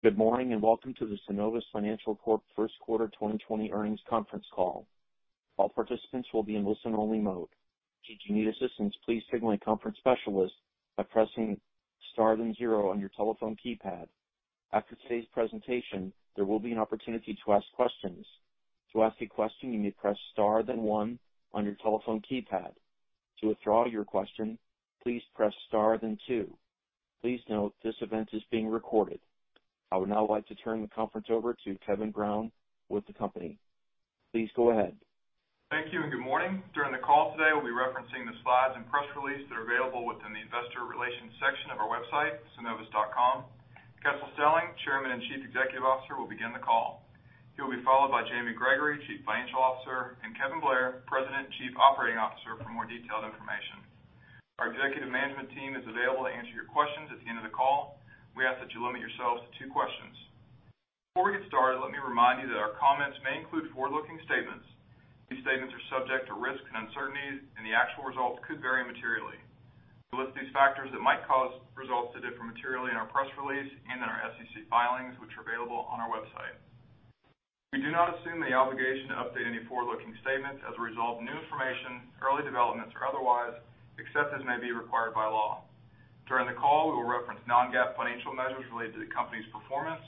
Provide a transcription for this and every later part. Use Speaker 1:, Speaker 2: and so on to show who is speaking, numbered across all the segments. Speaker 1: Good morning. Welcome to the Synovus Financial Corp. First Quarter 2020 earnings conference call. All participants will be in listen only mode. If you need assistance, please signal a conference specialist by pressing star then zero on your telephone keypad. After today's presentation, there will be an opportunity to ask questions. To ask a question, you may press star then one on your telephone keypad. To withdraw your question, please press star then two. Please note this event is being recorded. I would now like to turn the conference over to Kevin Brown with the company. Please go ahead.
Speaker 2: Thank you. Good morning. During the call today, we'll be referencing the slides and press release that are available within the investor relations section of our website, synovus.com. Kessel Stelling, Chairman and Chief Executive Officer, will begin the call. He'll be followed by Jamie Gregory, Chief Financial Officer, and Kevin Blair, President Chief Operating Officer, for more detailed information. Our executive management team is available to answer your questions at the end of the call. We ask that you limit yourselves to two questions. Before we get started, let me remind you that our comments may include forward-looking statements. These statements are subject to risks and uncertainties. The actual results could vary materially. We list these factors that might cause results to differ materially in our press release and in our SEC filings, which are available on our website. We do not assume the obligation to update any forward-looking statements as a result of new information, early developments, or otherwise, except as may be required by law. During the call, we will reference non-GAAP financial measures related to the company's performance.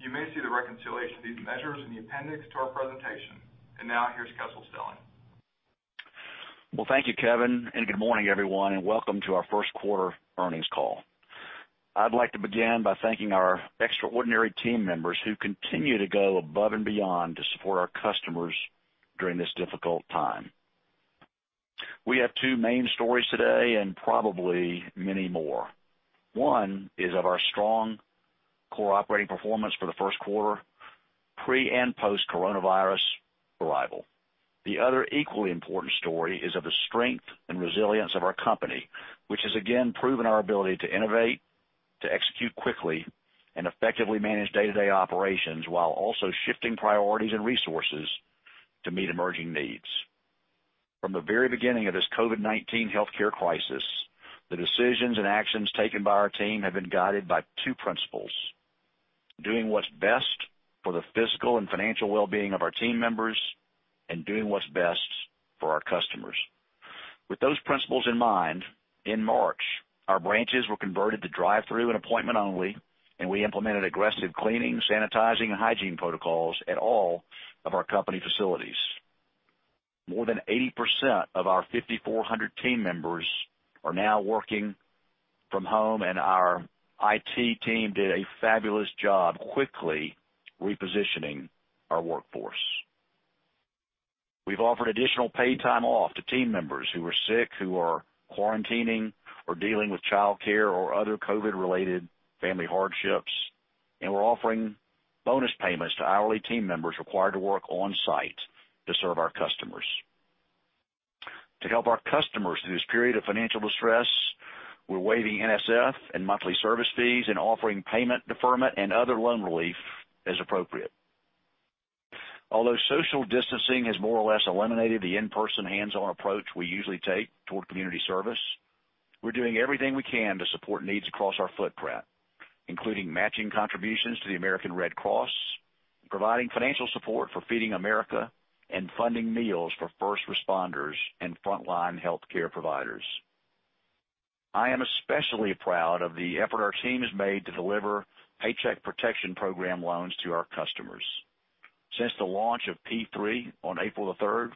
Speaker 2: You may see the reconciliation of these measures in the appendix to our presentation. Now, here's Kessel Stelling.
Speaker 3: Well, thank you, Kevin, and good morning, everyone, and welcome to our 1st quarter earnings call. I'd like to begin by thanking our extraordinary team members who continue to go above and beyond to support our customers during this difficult time. We have two main stories today and probably many more. One is of our strong core operating performance for the 1st quarter, pre and post-coronavirus arrival. The other equally important story is of the strength and resilience of our company, which has again proven our ability to innovate, to execute quickly, and effectively manage day-to-day operations, while also shifting priorities and resources to meet emerging needs. From the very beginning of this COVID-19 healthcare crisis, the decisions and actions taken by our team have been guided by two principles, doing what's best for the physical and financial well-being of our team members and doing what's best for our customers. With those principles in mind, in March, our branches were converted to drive-through and appointment only, and we implemented aggressive cleaning, sanitizing, and hygiene protocols at all of our company facilities. More than 80% of our 5,400 team members are now working from home, and our IT team did a fabulous job quickly repositioning our workforce. We've offered additional paid time off to team members who are sick, who are quarantining, or dealing with childcare or other COVID-19 related family hardships, and we're offering bonus payments to hourly team members required to work on-site to serve our customers. To help our customers through this period of financial distress, we're waiving NSF and monthly service fees and offering payment deferment and other loan relief as appropriate. Although social distancing has more or less eliminated the in-person hands-on approach we usually take toward community service, we're doing everything we can to support needs across our footprint, including matching contributions to the American Red Cross, providing financial support for Feeding America, and funding meals for first responders and frontline healthcare providers. I am especially proud of the effort our team has made to deliver Paycheck Protection Program loans to our customers. Since the launch of P3 on April the 3rd,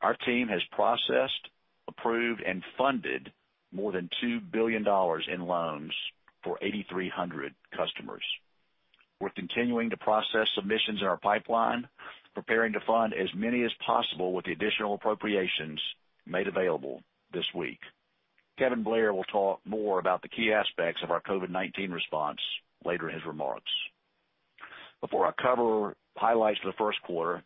Speaker 3: our team has processed, approved, and funded more than $2 billion in loans for 8,300 customers. We're continuing to process submissions in our pipeline, preparing to fund as many as possible with the additional appropriations made available this week. Kevin Blair will talk more about the key aspects of our COVID-19 response later in his remarks. Before I cover highlights for the first quarter,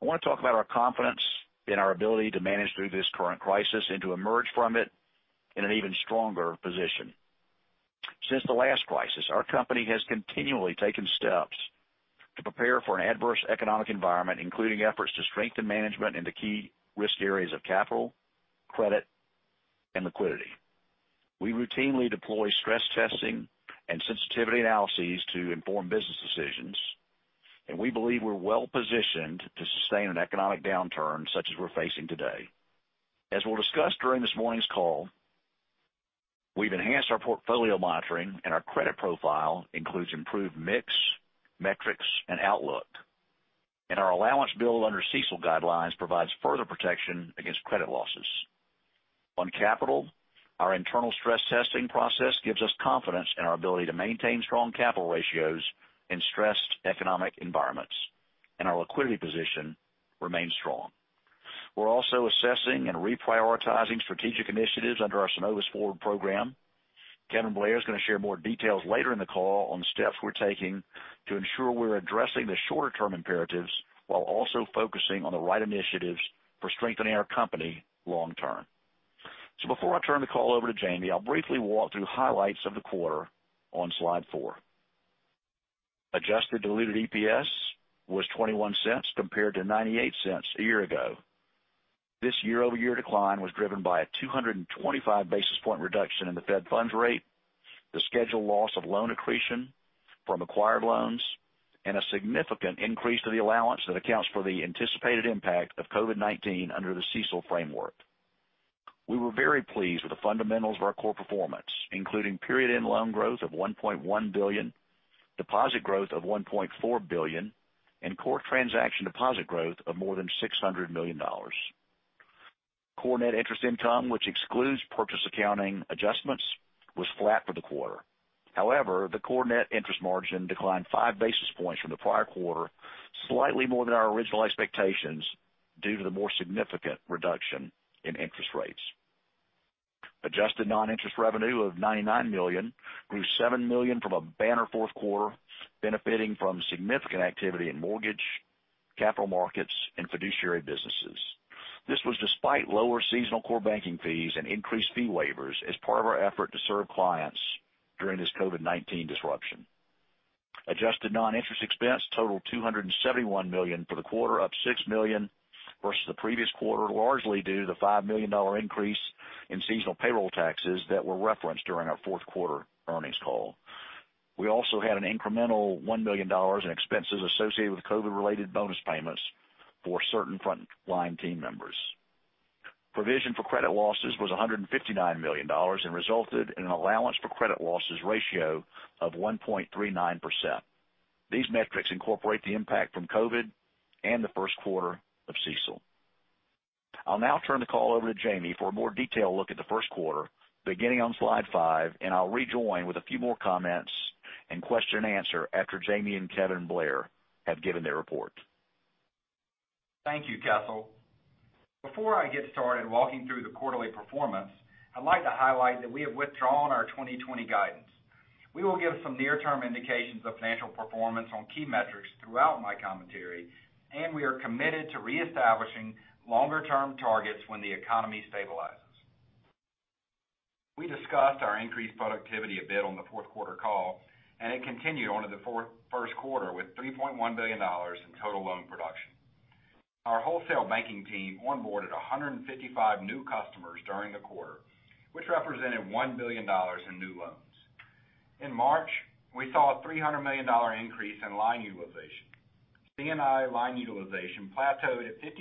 Speaker 3: I want to talk about our confidence in our ability to manage through this current crisis and to emerge from it in an even stronger position. Since the last crisis, our company has continually taken steps to prepare for an adverse economic environment, including efforts to strengthen management in the key risk areas of capital, credit, and liquidity. We routinely deploy stress testing and sensitivity analyses to inform business decisions. We believe we're well-positioned to sustain an economic downturn such as we're facing today. As we'll discuss during this morning's call, we've enhanced our portfolio monitoring and our credit profile includes improved mix, metrics, and outlook. Our allowance build under CECL guidelines provides further protection against credit losses. On capital, our internal stress testing process gives us confidence in our ability to maintain strong capital ratios in stressed economic environments, and our liquidity position remains strong. We're also assessing and reprioritizing strategic initiatives under our Synovus Forward program. Kevin Blair is going to share more details later in the call on the steps we're taking to ensure we're addressing the shorter-term imperatives while also focusing on the right initiatives for strengthening our company long-term. Before I turn the call over to Jamie, I'll briefly walk through highlights of the quarter on slide four. Adjusted diluted EPS was $0.21 compared to $0.98 a year ago. This year-over-year decline was driven by a 225 basis point reduction in the Fed funds rate, the scheduled loss of loan accretion from acquired loans, and a significant increase to the allowance that accounts for the anticipated impact of COVID-19 under the CECL framework. We were very pleased with the fundamentals of our core performance, including period-end loan growth of $1.1 billion, deposit growth of $1.4 billion, and core transaction deposit growth of more than $600 million. Core net interest income, which excludes purchase accounting adjustments, was flat for the quarter. However, the core net interest margin declined five basis points from the prior quarter, slightly more than our original expectations due to the more significant reduction in interest rates. Adjusted non-interest revenue of $99 million grew $7 million from a banner fourth quarter benefiting from significant activity in mortgage, capital markets, and fiduciary businesses. This was despite lower seasonal core banking fees and increased fee waivers as part of our effort to serve clients during this COVID-19 disruption. Adjusted non-interest expense totaled $271 million for the quarter, up $6 million versus the previous quarter, largely due to the $5 million increase in seasonal payroll taxes that were referenced during our fourth quarter earnings call. We also had an incremental $1 million in expenses associated with COVID-related bonus payments for certain frontline team members. Provision for credit losses was $159 million and resulted in an allowance for credit losses ratio of 1.39%. These metrics incorporate the impact from COVID and the first quarter of CECL. I'll now turn the call over to Jamie for a more detailed look at the first quarter, beginning on slide five, and I'll rejoin with a few more comments and question and answer after Jamie and Kevin Blair have given their report.
Speaker 4: Thank you, Kessel. Before I get started walking through the quarterly performance, I'd like to highlight that we have withdrawn our 2020 guidance. We will give some near-term indications of financial performance on key metrics throughout my commentary. We are committed to reestablishing longer-term targets when the economy stabilizes. We discussed our increased productivity a bit on the fourth quarter call. It continued on to the first quarter with $3.1 billion in total loan production. Our wholesale banking team onboarded 155 new customers during the quarter, which represented $1 billion in new loans. In March, we saw a $300 million increase in line utilization. C&I line utilization plateaued at 50%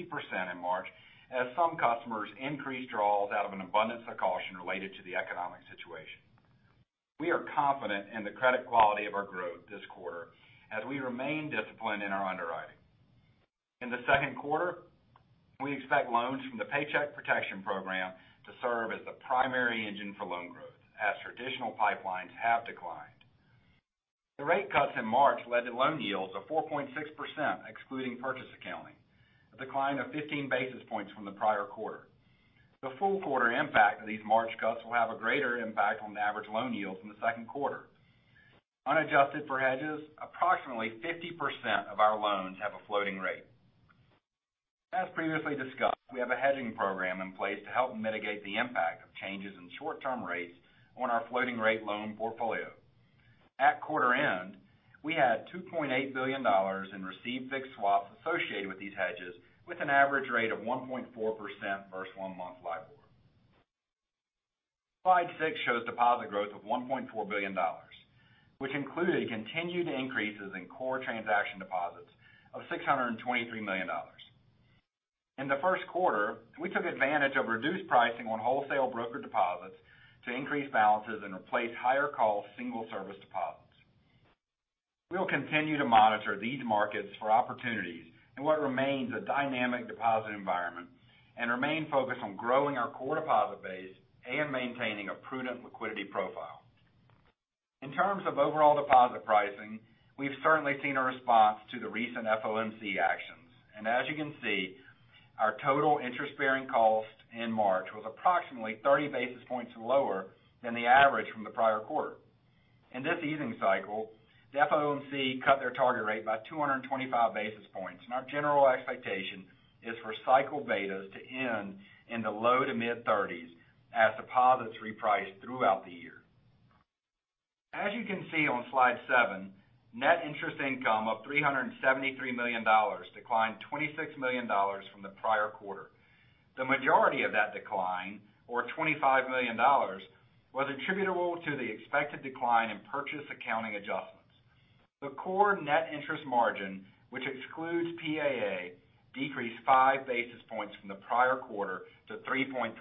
Speaker 4: in March as some customers increased draws out of an abundance of caution related to the economic situation. We are confident in the credit quality of our growth this quarter as we remain disciplined in our underwriting. In the second quarter, we expect loans from the Paycheck Protection Program to serve as the primary engine for loan growth, as traditional pipelines have declined. The rate cuts in March led to loan yields of 4.6%, excluding purchase accounting, a decline of 15 basis points from the prior quarter. The full quarter impact of these March cuts will have a greater impact on the average loan yields in the second quarter. Unadjusted for hedges, approximately 50% of our loans have a floating rate. As previously discussed, we have a hedging program in place to help mitigate the impact of changes in short-term rates on our floating rate loan portfolio. At quarter end, we had $2.8 billion in received fixed swaps associated with these hedges, with an average rate of 1.4% versus one-month LIBOR. Slide six shows deposit growth of $1.4 billion, which included continued increases in core transaction deposits of $623 million. In the first quarter, we took advantage of reduced pricing on wholesale broker deposits to increase balances and replace higher cost single service deposits. We will continue to monitor these markets for opportunities in what remains a dynamic deposit environment and remain focused on growing our core deposit base and maintaining a prudent liquidity profile. In terms of overall deposit pricing, we've certainly seen a response to the recent FOMC actions. As you can see, our total interest-bearing cost in March was approximately 30 basis points lower than the average from the prior quarter. In this easing cycle, the FOMC cut their target rate by 225 basis points, and our general expectation is for cycle betas to end in the low to mid-thirties as deposits reprice throughout the year. As you can see on slide seven, net interest income of $373 million declined $26 million from the prior quarter. The majority of that decline, or $25 million, was attributable to the expected decline in PAA. The core net interest margin, which excludes PAA, decreased five basis points from the prior quarter to 3.35%.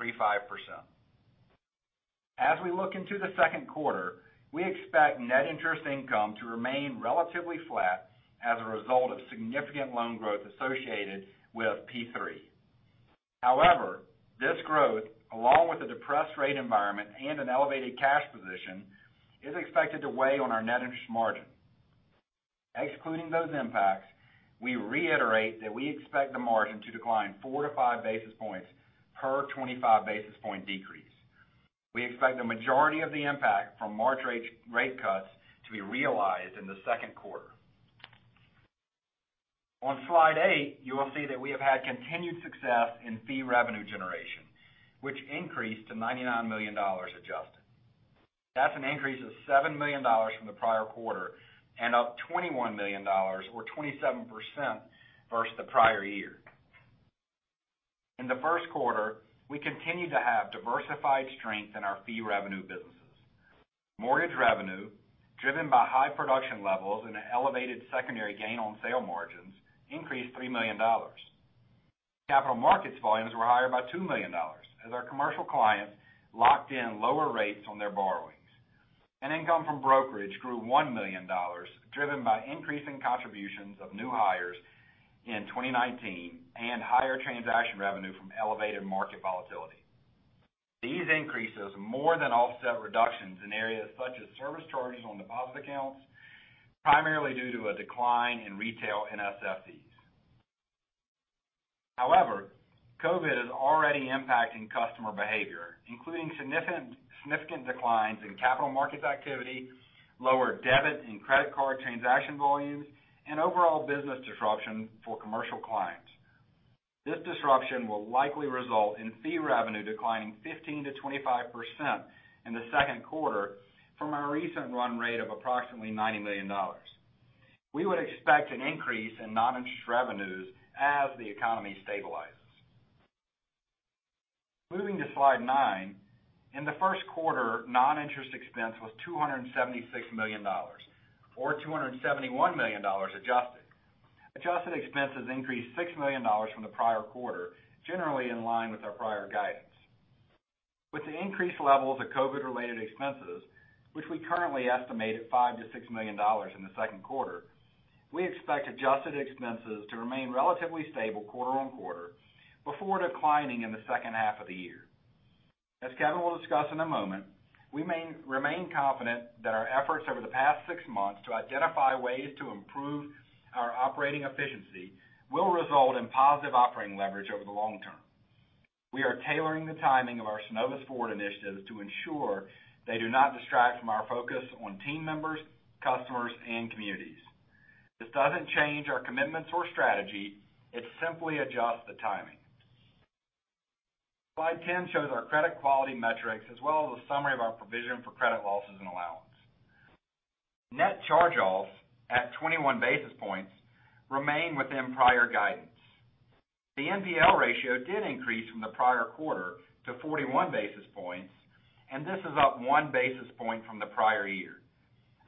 Speaker 4: As we look into the second quarter, we expect net interest income to remain relatively flat as a result of significant loan growth associated with P3. However, this growth, along with a depressed rate environment and an elevated cash position, is expected to weigh on our net interest margin. Excluding those impacts, we reiterate that we expect the margin to decline four to five basis points per 25 basis point decrease. We expect the majority of the impact from March rate cuts to be realized in the second quarter. On slide eight, you will see that we have had continued success in fee revenue generation, which increased to $99 million adjusted. That's an increase of $7 million from the prior quarter and up $21 million, or 27%, versus the prior year. In the first quarter, we continued to have diversified strength in our fee revenue businesses. Mortgage revenue, driven by high production levels and elevated secondary gain on sale margins, increased $3 million. Capital markets volumes were higher by $2 million as our commercial clients locked in lower rates on their borrowings. Income from brokerage grew $1 million, driven by increasing contributions of new hires in 2019 and higher transaction revenue from elevated market volatility. These increases more than offset reductions in areas such as service charges on deposit accounts, primarily due to a decline in retail NSF fees. However, COVID is already impacting customer behavior, including significant declines in capital markets activity, lower debit and credit card transaction volumes, and overall business disruption for commercial clients. This disruption will likely result in fee revenue declining 15%-25% in the second quarter from our recent run rate of approximately $90 million. We would expect an increase in non-interest revenues as the economy stabilizes. Moving to slide nine. In the first quarter, non-interest expense was $276 million, or $271 million adjusted. Adjusted expenses increased $6 million from the prior quarter, generally in line with our prior guidance. With the increased levels of COVID related expenses, which we currently estimate at $5 million-$6 million in the second quarter, we expect adjusted expenses to remain relatively stable quarter-on-quarter before declining in the second half of the year. As Kevin will discuss in a moment, we remain confident that our efforts over the past six months to identify ways to improve our operating efficiency will result in positive operating leverage over the long term. We are tailoring the timing of our Synovus Forward initiatives to ensure they do not distract from our focus on team members, customers, and communities. This doesn't change our commitments or strategy, it simply adjusts the timing. Slide 10 shows our credit quality metrics as well as a summary of our provision for credit losses and allowance. Net charge-offs at 21 basis points remain within prior guidance. The NPL ratio did increase from the prior quarter to 41 basis points, and this is up one basis point from the prior year.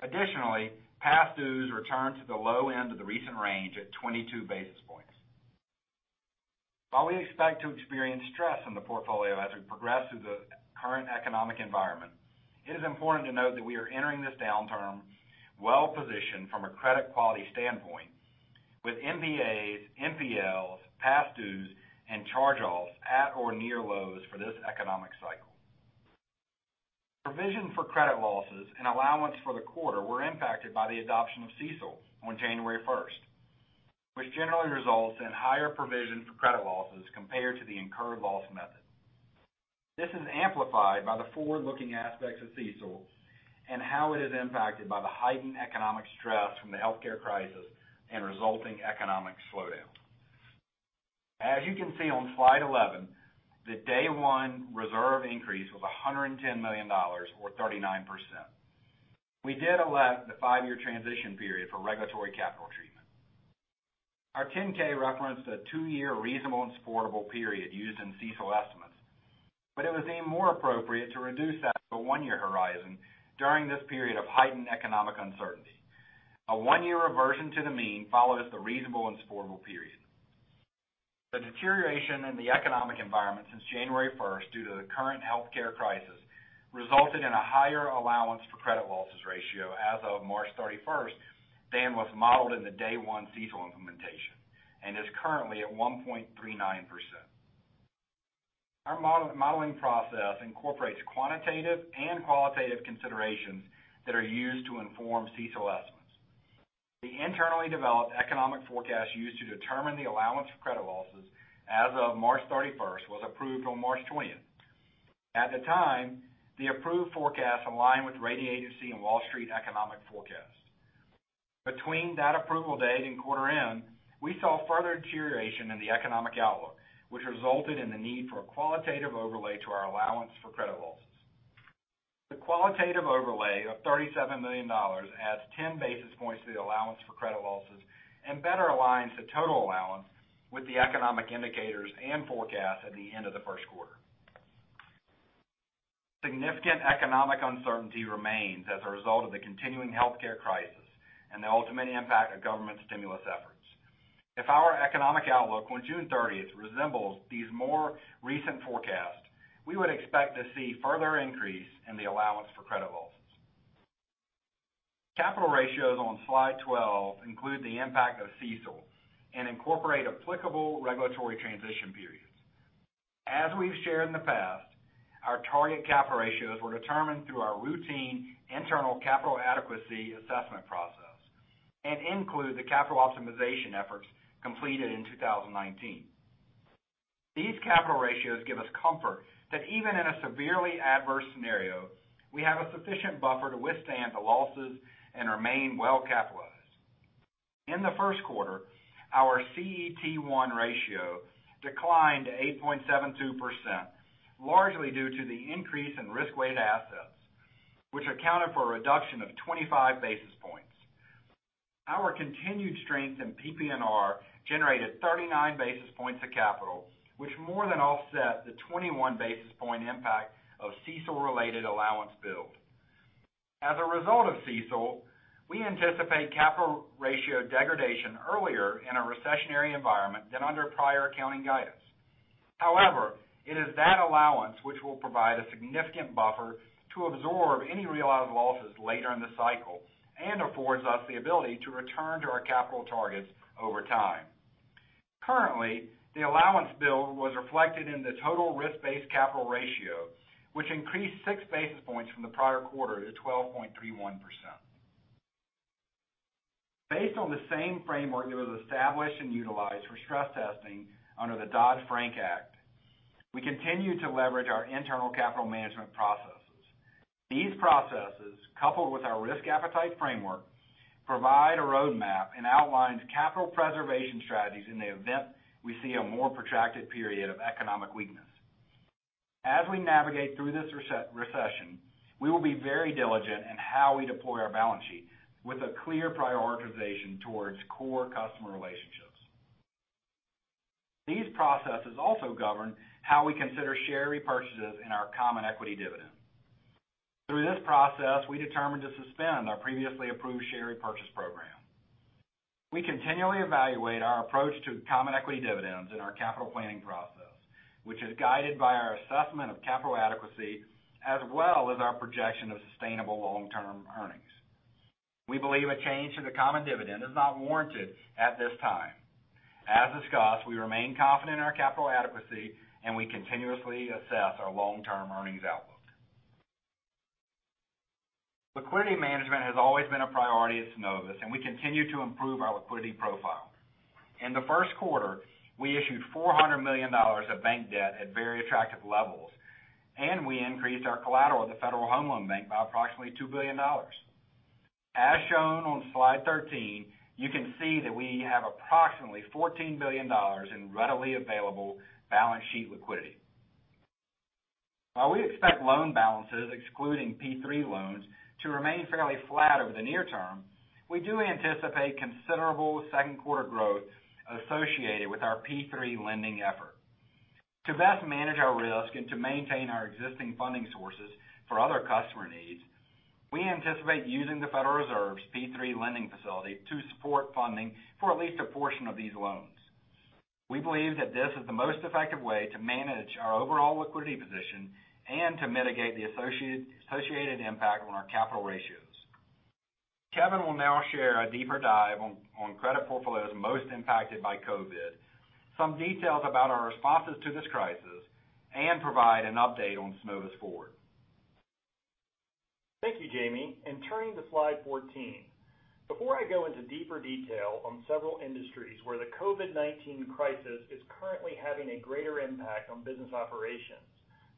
Speaker 4: Additionally, past dues returned to the low end of the recent range at 22 basis points. While we expect to experience stress in the portfolio as we progress through the current economic environment, it is important to note that we are entering this downturn well-positioned from a credit quality standpoint with NPAs, NPLs, past dues, and charge-offs at or near lows for this economic cycle. Provision for credit losses and allowance for the quarter were impacted by the adoption of CECL on January 1st, which generally results in higher provision for credit losses compared to the incurred loss method. This is amplified by the forward-looking aspects of CECL and how it is impacted by the heightened economic stress from the healthcare crisis and resulting economic slowdown. As you can see on slide 11, the day one reserve increase was $110 million, or 39%. We did elect the five-year transition period for regulatory capital treatment. Our 10K referenced a 2-year reasonable and supportable period used in CECL estimates, but it would seem more appropriate to reduce that to a 1-year horizon during this period of heightened economic uncertainty. A 1-year reversion to the mean follows the reasonable and supportable period. The deterioration in the economic environment since January 1st due to the current healthcare crisis resulted in a higher allowance for credit losses ratio as of March 31st than was modeled in the day one CECL implementation and is currently at 1.39%. Our modeling process incorporates quantitative and qualitative considerations that are used to inform CECL estimates. The internally developed economic forecast used to determine the allowance for credit losses as of March 31st was approved on March 20th. At the time, the approved forecast aligned with rating agency and Wall Street economic forecasts. Between that approval date and quarter end, we saw further deterioration in the economic outlook, which resulted in the need for a qualitative overlay to our allowance for credit losses. The qualitative overlay of $37 million adds 10 basis points to the allowance for credit losses and better aligns the total allowance with the economic indicators and forecasts at the end of the first quarter. Significant economic uncertainty remains as a result of the continuing healthcare crisis and the ultimate impact of government stimulus efforts. If our economic outlook on June 30th resembles these more recent forecasts, we would expect to see further increase in the allowance for credit losses. Capital ratios on slide 12 include the impact of CECL and incorporate applicable regulatory transition periods. As we've shared in the past, our target capital ratios were determined through our routine internal capital adequacy assessment process and include the capital optimization efforts completed in 2019. These capital ratios give us comfort that even in a severely adverse scenario, we have a sufficient buffer to withstand the losses and remain well capitalized. In the first quarter, our CET1 ratio declined to 8.72%, largely due to the increase in risk-weighted assets, which accounted for a reduction of 25 basis points. Our continued strength in PPNR generated 39 basis points of capital, which more than offset the 21 basis point impact of CECL-related allowance build. As a result of CECL, we anticipate capital ratio degradation earlier in a recessionary environment than under prior accounting guidance. It is that allowance which will provide a significant buffer to absorb any realized losses later in the cycle and affords us the ability to return to our capital targets over time. Currently, the allowance build was reflected in the total risk-based capital ratio, which increased six basis points from the prior quarter to 12.31%. Based on the same framework that was established and utilized for stress testing under the Dodd-Frank Act, we continue to leverage our internal capital management processes. These processes, coupled with our risk appetite framework, provide a roadmap and outlines capital preservation strategies in the event we see a more protracted period of economic weakness. As we navigate through this recession, we will be very diligent in how we deploy our balance sheet, with a clear prioritization towards core customer relationships. These processes also govern how we consider share repurchases in our common equity dividend. Through this process, we determined to suspend our previously approved share repurchase program. We continually evaluate our approach to common equity dividends in our capital planning process, which is guided by our assessment of capital adequacy, as well as our projection of sustainable long-term earnings. We believe a change to the common dividend is not warranted at this time. As discussed, we remain confident in our capital adequacy, and we continuously assess our long-term earnings outlook. Liquidity management has always been a priority at Synovus, and we continue to improve our liquidity profile. In the first quarter, we issued $400 million of bank debt at very attractive levels, and we increased our collateral at the Federal Home Loan Bank by approximately $2 billion. As shown on slide 13, you can see that we have approximately $14 billion in readily available balance sheet liquidity. While we expect loan balances, excluding PPP loans, to remain fairly flat over the near term, we do anticipate considerable second quarter growth associated with our PPP lending effort. To best manage our risk and to maintain our existing funding sources for other customer needs, we anticipate using the Federal Reserve's PPP lending facility to support funding for at least a portion of these loans. We believe that this is the most effective way to manage our overall liquidity position and to mitigate the associated impact on our capital ratios. Kevin will now share a deeper dive on credit portfolios most impacted by COVID-19, some details about our responses to this crisis, and provide an update on Synovus Forward.
Speaker 5: Thank you, Jamie. Turning to slide 14, before I go into deeper detail on several industries where the COVID-19 crisis is currently having a greater impact on business operations,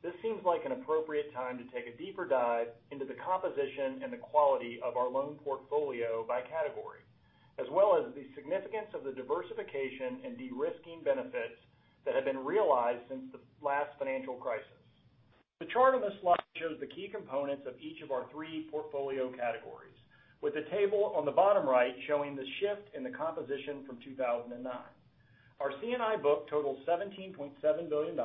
Speaker 5: this seems like an appropriate time to take a deeper dive into the composition and the quality of our loan portfolio by category, as well as the significance of the diversification and de-risking benefits that have been realized since the last financial crisis. The chart on this slide shows the key components of each of our three portfolio categories, with the table on the bottom right showing the shift in the composition from 2009. Our C&I book totals $17.7 billion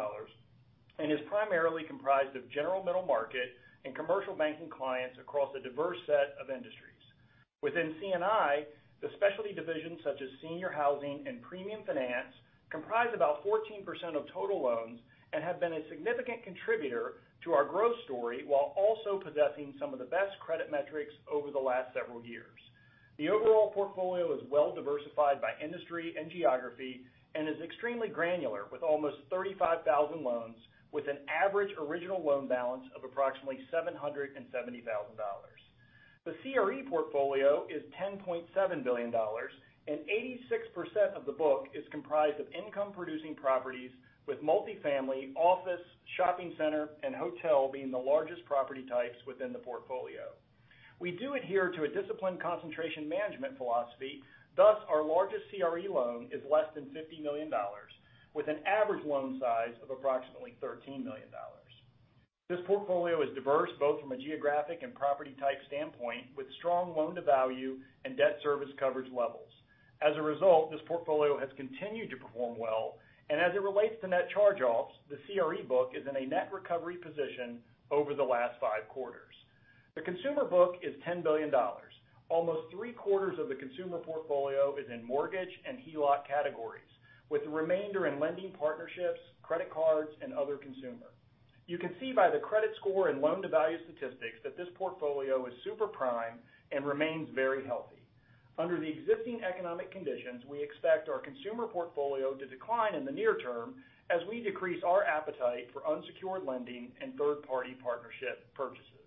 Speaker 5: and is primarily comprised of general middle market and commercial banking clients across a diverse set of industries. Within C&I, the specialty divisions such as Senior Housing and Premium Finance comprise about 14% of total loans and have been a significant contributor to our growth story while also possessing some of the best credit metrics over the last several years. The overall portfolio is well diversified by industry and geography and is extremely granular, with almost 35,000 loans with an average original loan balance of approximately $770,000. The CRE portfolio is $10.7 billion, 86% of the book is comprised of income-producing properties, with multifamily, office, shopping center, and hotel being the largest property types within the portfolio. We do adhere to a disciplined concentration management philosophy, thus our largest CRE loan is less than $50 million, with an average loan size of approximately $13 million. This portfolio is diverse both from a geographic and property type standpoint, with strong loan-to-value and debt service coverage levels. As a result, this portfolio has continued to perform well, and as it relates to net charge-offs, the CRE book is in a net recovery position over the last five quarters. The consumer book is $10 billion. Almost three-quarters of the consumer portfolio is in mortgage and HELOC categories, with the remainder in lending partnerships, credit cards, and other consumer. You can see by the credit score and loan-to-value statistics that this portfolio is super prime and remains very healthy. Under the existing economic conditions, we expect our consumer portfolio to decline in the near term as we decrease our appetite for unsecured lending and third-party partnership purchases.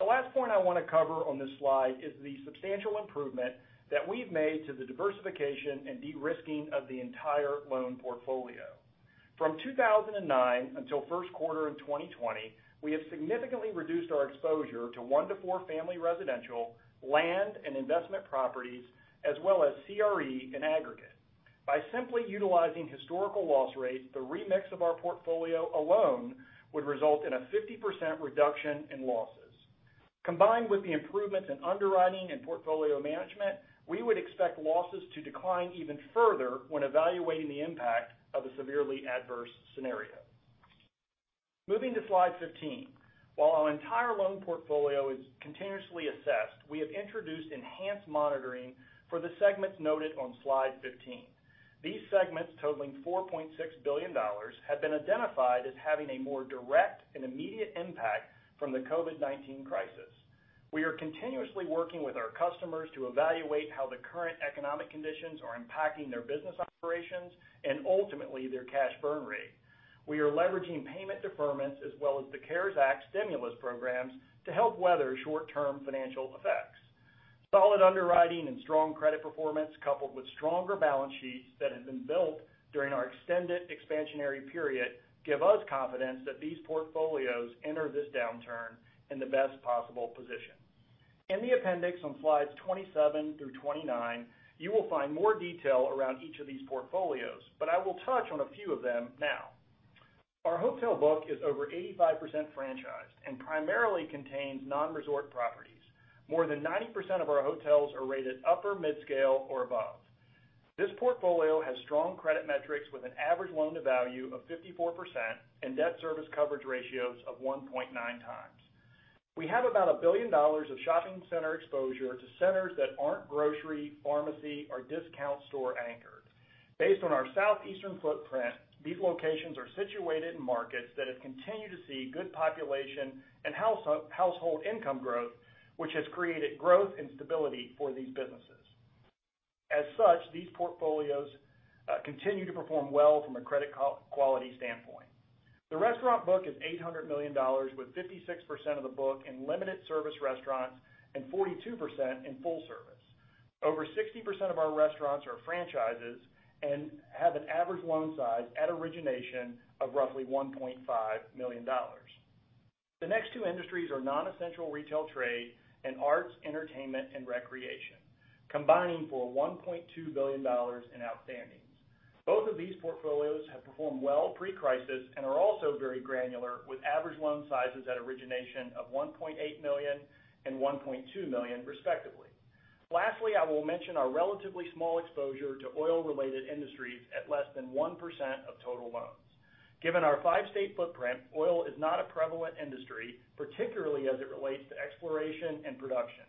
Speaker 5: The last point I want to cover on this slide is the substantial improvement that we've made to the diversification and de-risking of the entire loan portfolio. From 2009 until first quarter of 2020, we have significantly reduced our exposure to 1 to 4 family residential, land and investment properties, as well as CRE in aggregate. By simply utilizing historical loss rates, the remix of our portfolio alone would result in a 50% reduction in losses. Combined with the improvements in underwriting and portfolio management, we would expect losses to decline even further when evaluating the impact of a severely adverse scenario. Moving to slide 15. While our entire loan portfolio is continuously assessed, we have introduced enhanced monitoring for the segments noted on slide 15. These segments totaling $4.6 billion, have been identified as having a more direct and immediate impact from the COVID-19 crisis. We are continuously working with our customers to evaluate how the current economic conditions are impacting their business operations and ultimately their cash burn rate. We are leveraging payment deferments as well as the CARES Act stimulus programs to help weather short-term financial effects. Solid underwriting and strong credit performance, coupled with stronger balance sheets that have been built during our extended expansionary period, give us confidence that these portfolios enter this downturn in the best possible position. In the appendix on slides 27 through 29, you will find more detail around each of these portfolios, but I will touch on a few of them now. Our hotel book is over 85% franchised and primarily contains non-resort properties. More than 90% of our hotels are rated upper mid-scale or above. This portfolio has strong credit metrics with an average loan to value of 54% and debt service coverage ratios of 1.9 times. We have about $1 billion of shopping center exposure to centers that aren't grocery, pharmacy, or discount store anchored. Based on our southeastern footprint, these locations are situated in markets that have continued to see good population and household income growth, which has created growth and stability for these businesses. As such, these portfolios continue to perform well from a credit quality standpoint. The restaurant book is $800 million with 56% of the book in limited service restaurants and 42% in full service. Over 60% of our restaurants are franchises and have an average loan size at origination of roughly $1.5 million. The next two industries are non-essential retail, trade and arts, entertainment and recreation, combining for $1.2 billion in outstandings. Both of these portfolios have performed well pre-crisis and are also very granular, with average loan sizes at origination of $1.8 million and $1.2 million respectively. Lastly, I will mention our relatively small exposure to oil related industries at less than 1% of total loans. Given our five-state footprint, oil is not a prevalent industry, particularly as it relates to exploration and production.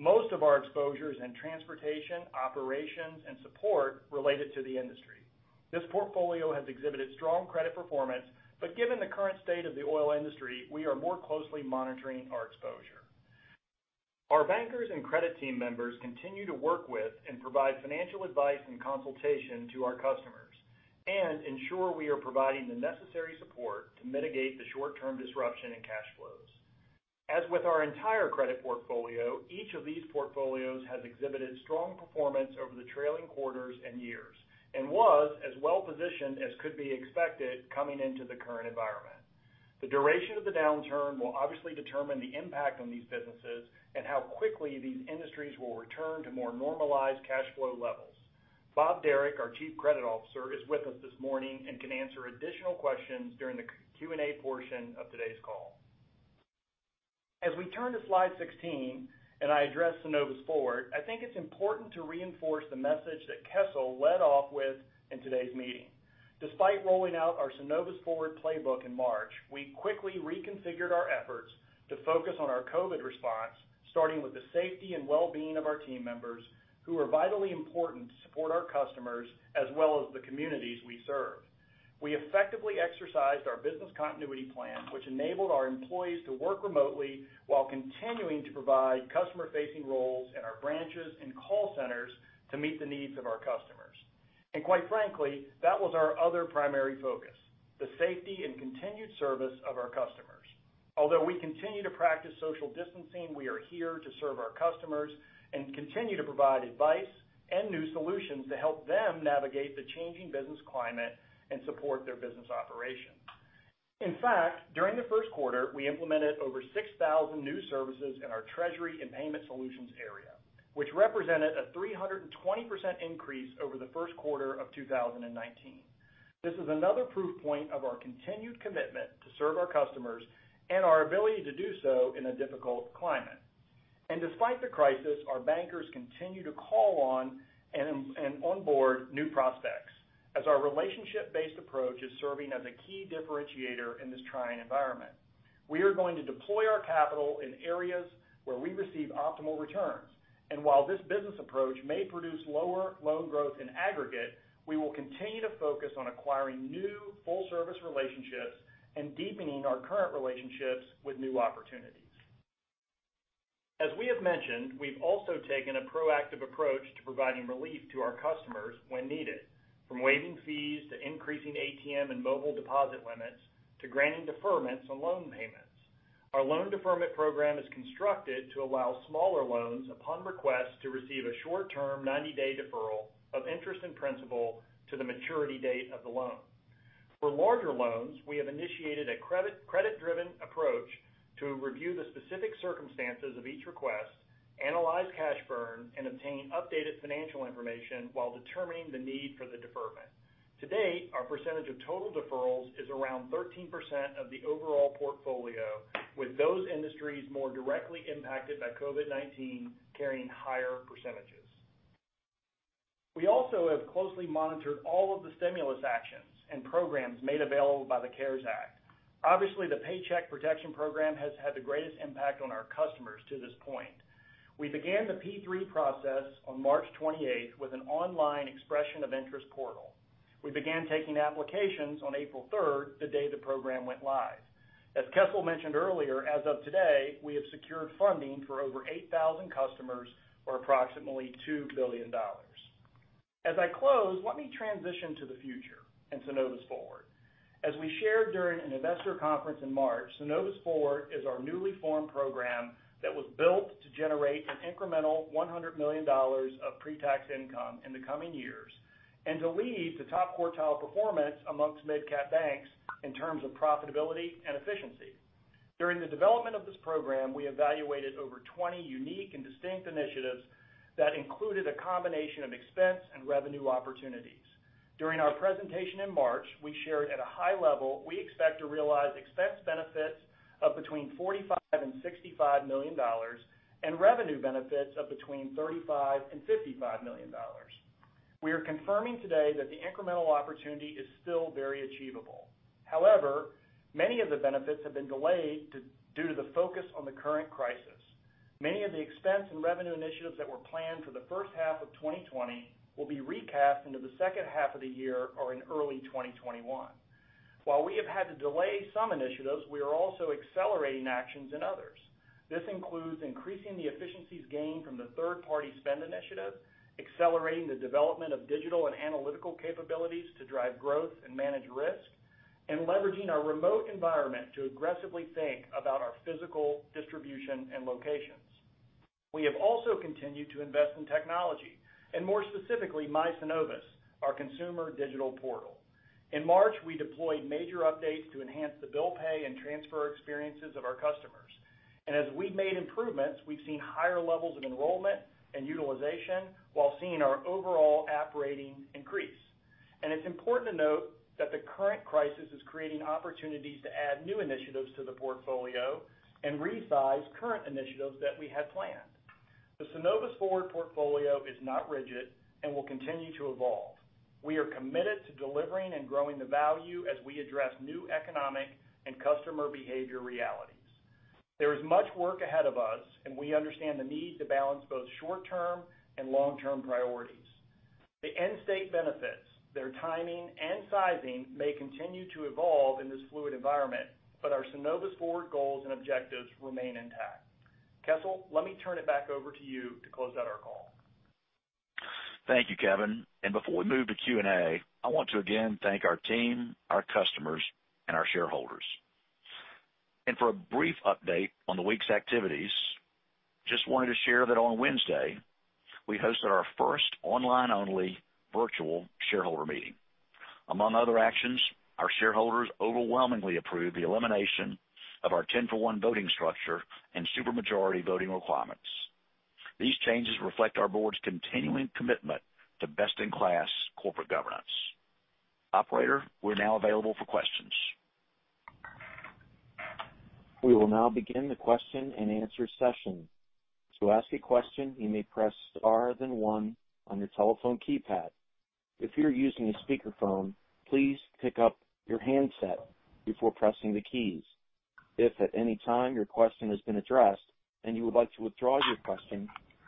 Speaker 5: Most of our exposure is in transportation, operations, and support related to the industry. This portfolio has exhibited strong credit performance, but given the current state of the oil industry, we are more closely monitoring our exposure. Our bankers and credit team members continue to work with and provide financial advice and consultation to our customers, and ensure we are providing the necessary support to mitigate the short-term disruption in cash flows. As with our entire credit portfolio, each of these portfolios has exhibited strong performance over the trailing quarters and years, and was as well-positioned as could be expected coming into the current environment. The duration of the downturn will obviously determine the impact on these businesses and how quickly these industries will return to more normalized cash flow levels. Bob Derrick, our Chief Credit Officer, is with us this morning and can answer additional questions during the Q&A portion of today's call. As we turn to slide 16 and I address Synovus Forward, I think it's important to reinforce the message that Kessel led off with in today's meeting. Despite rolling out our Synovus Forward playbook in March, we quickly reconfigured our efforts to focus on our COVID response, starting with the safety and well-being of our team members, who are vitally important to support our customers as well as the communities we serve. We effectively exercised our business continuity plan, which enabled our employees to work remotely while continuing to provide customer-facing roles in our branches and call centers to meet the needs of our customers. Quite frankly, that was our other primary focus, the safety and continued service of our customers. Although we continue to practice social distancing, we are here to serve our customers and continue to provide advice and new solutions to help them navigate the changing business climate and support their business operations. In fact, during the first quarter, we implemented over 6,000 new services in our treasury and payment solutions area, which represented a 320% increase over the first quarter of 2019. This is another proof point of our continued commitment to serve our customers and our ability to do so in a difficult climate. Despite the crisis, our bankers continue to call on and onboard new prospects as our relationship-based approach is serving as a key differentiator in this trying environment. We are going to deploy our capital in areas where we receive optimal returns. While this business approach may produce lower loan growth in aggregate, we will continue to focus on acquiring new full service relationships and deepening our current relationships with new opportunities. As we have mentioned, we've also taken a proactive approach to providing relief to our customers when needed, from waiving fees to increasing ATM and mobile deposit limits, to granting deferments on loan payments. Our loan deferment program is constructed to allow smaller loans upon request to receive a short-term 90-day deferral of interest and principal to the maturity date of the loan. For larger loans, we have initiated a credit-driven approach to review the specific circumstances of each request, analyze cash burn, and obtain updated financial information while determining the need for the deferment. To date, our percentage of total deferrals is around 13% of the overall portfolio, with those industries more directly impacted by COVID-19 carrying higher percentages. We also have closely monitored all of the stimulus actions and programs made available by the CARES Act. Obviously, the Paycheck Protection Program has had the greatest impact on our customers to this point. We began the P3 process on March 28th with an online expression of interest portal. We began taking applications on April 3rd, the day the program went live. As Kessel mentioned earlier, as of today, we have secured funding for over 8,000 customers or approximately $2 billion. As I close, let me transition to the future and Synovus Forward. As we shared during an investor conference in March, Synovus Forward is our newly formed program that was built to generate an incremental $100 million of pre-tax income in the coming years and to lead to top quartile performance amongst midcap banks in terms of profitability and efficiency. During the development of this program, we evaluated over 20 unique and distinct initiatives that included a combination of expense and revenue opportunities. During our presentation in March, we shared at a high level, we expect to realize expense benefits of between $45 million and $65 million and revenue benefits of between $35 million and $55 million. We are confirming today that the incremental opportunity is still very achievable. However, many of the benefits have been delayed due to the focus on the current crisis. Many of the expense and revenue initiatives that were planned for the first half of 2020 will be recapped into the second half of the year or in early 2021. While we have had to delay some initiatives, we are also accelerating actions in others. This includes increasing the efficiencies gained from the third-party spend initiative, accelerating the development of digital and analytical capabilities to drive growth and manage risk, and leveraging our remote environment to aggressively think about our physical distribution and locations. We have also continued to invest in technology, and more specifically, My Synovus, our consumer digital portal. In March, we deployed major updates to enhance the bill pay and transfer experiences of our customers. As we've made improvements, we've seen higher levels of enrollment and utilization while seeing our overall app rating increase. It's important to note that the current crisis is creating opportunities to add new initiatives to the portfolio and resize current initiatives that we had planned. The Synovus Forward portfolio is not rigid and will continue to evolve. We are committed to delivering and growing the value as we address new economic and customer behavior realities. There is much work ahead of us, and we understand the need to balance both short-term and long-term priorities. The end state benefits, their timing, and sizing may continue to evolve in this fluid environment, but our Synovus Forward goals and objectives remain intact. Kessel, let me turn it back over to you to close out our call.
Speaker 3: Thank you, Kevin. Before we move to Q&A, I want to again thank our team, our customers, and our shareholders. For a brief update on the week's activities, just wanted to share that on Wednesday, we hosted our first online-only virtual shareholder meeting. Among other actions, our shareholders overwhelmingly approved the elimination of our 10-for-one voting structure and super majority voting requirements. These changes reflect our board's continuing commitment to best-in-class corporate governance. Operator, we're now available for questions.
Speaker 1: We will now begin the question and answer session. To ask a question, you may press star then one on your telephone keypad. If you're using a speakerphone, please pick up your handset before pressing the keys. If at any time your question has been addressed and you would like to withdraw your question,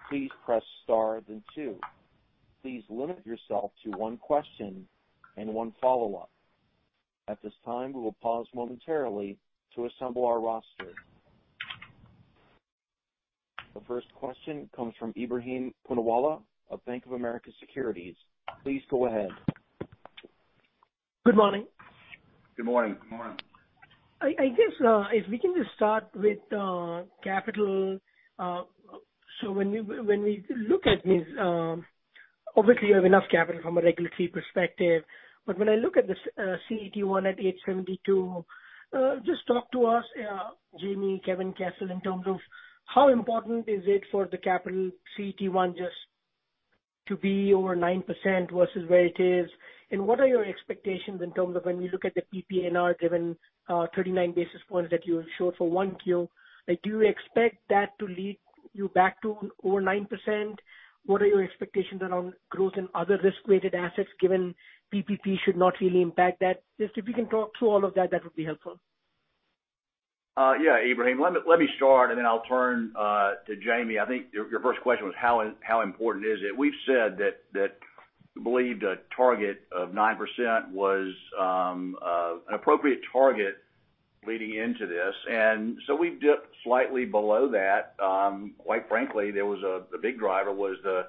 Speaker 1: please press star then two. Please limit yourself to one question and one follow-up. At this time, we will pause momentarily to assemble our roster. The first question comes from Ebrahim Poonawala of Bank of America Securities. Please go ahead.
Speaker 6: Good morning.
Speaker 3: Good morning.
Speaker 5: Good morning.
Speaker 6: I guess, if we can just start with capital. When we look at this, obviously you have enough capital from a regulatory perspective. When I look at the CET1 at 872, just talk to us, Jamie, Kevin, Kessel, in terms of how important is it for the capital CET1 just to be over 9% versus where it is? What are your expectations in terms of when we look at the PPNR given 39 basis points that you showed for 1Q? Do you expect that to lead you back to over 9%? What are your expectations around growth in other risk-weighted assets given PPP should not really impact that? Just if you can talk through all of that would be helpful.
Speaker 3: Yeah, Ebrahim, let me start, and then I'll turn to Jamie. I think your first question was how important is it? We've said that we believed a target of 9% was an appropriate target leading into this. We've dipped slightly below that. Quite frankly, the big driver was the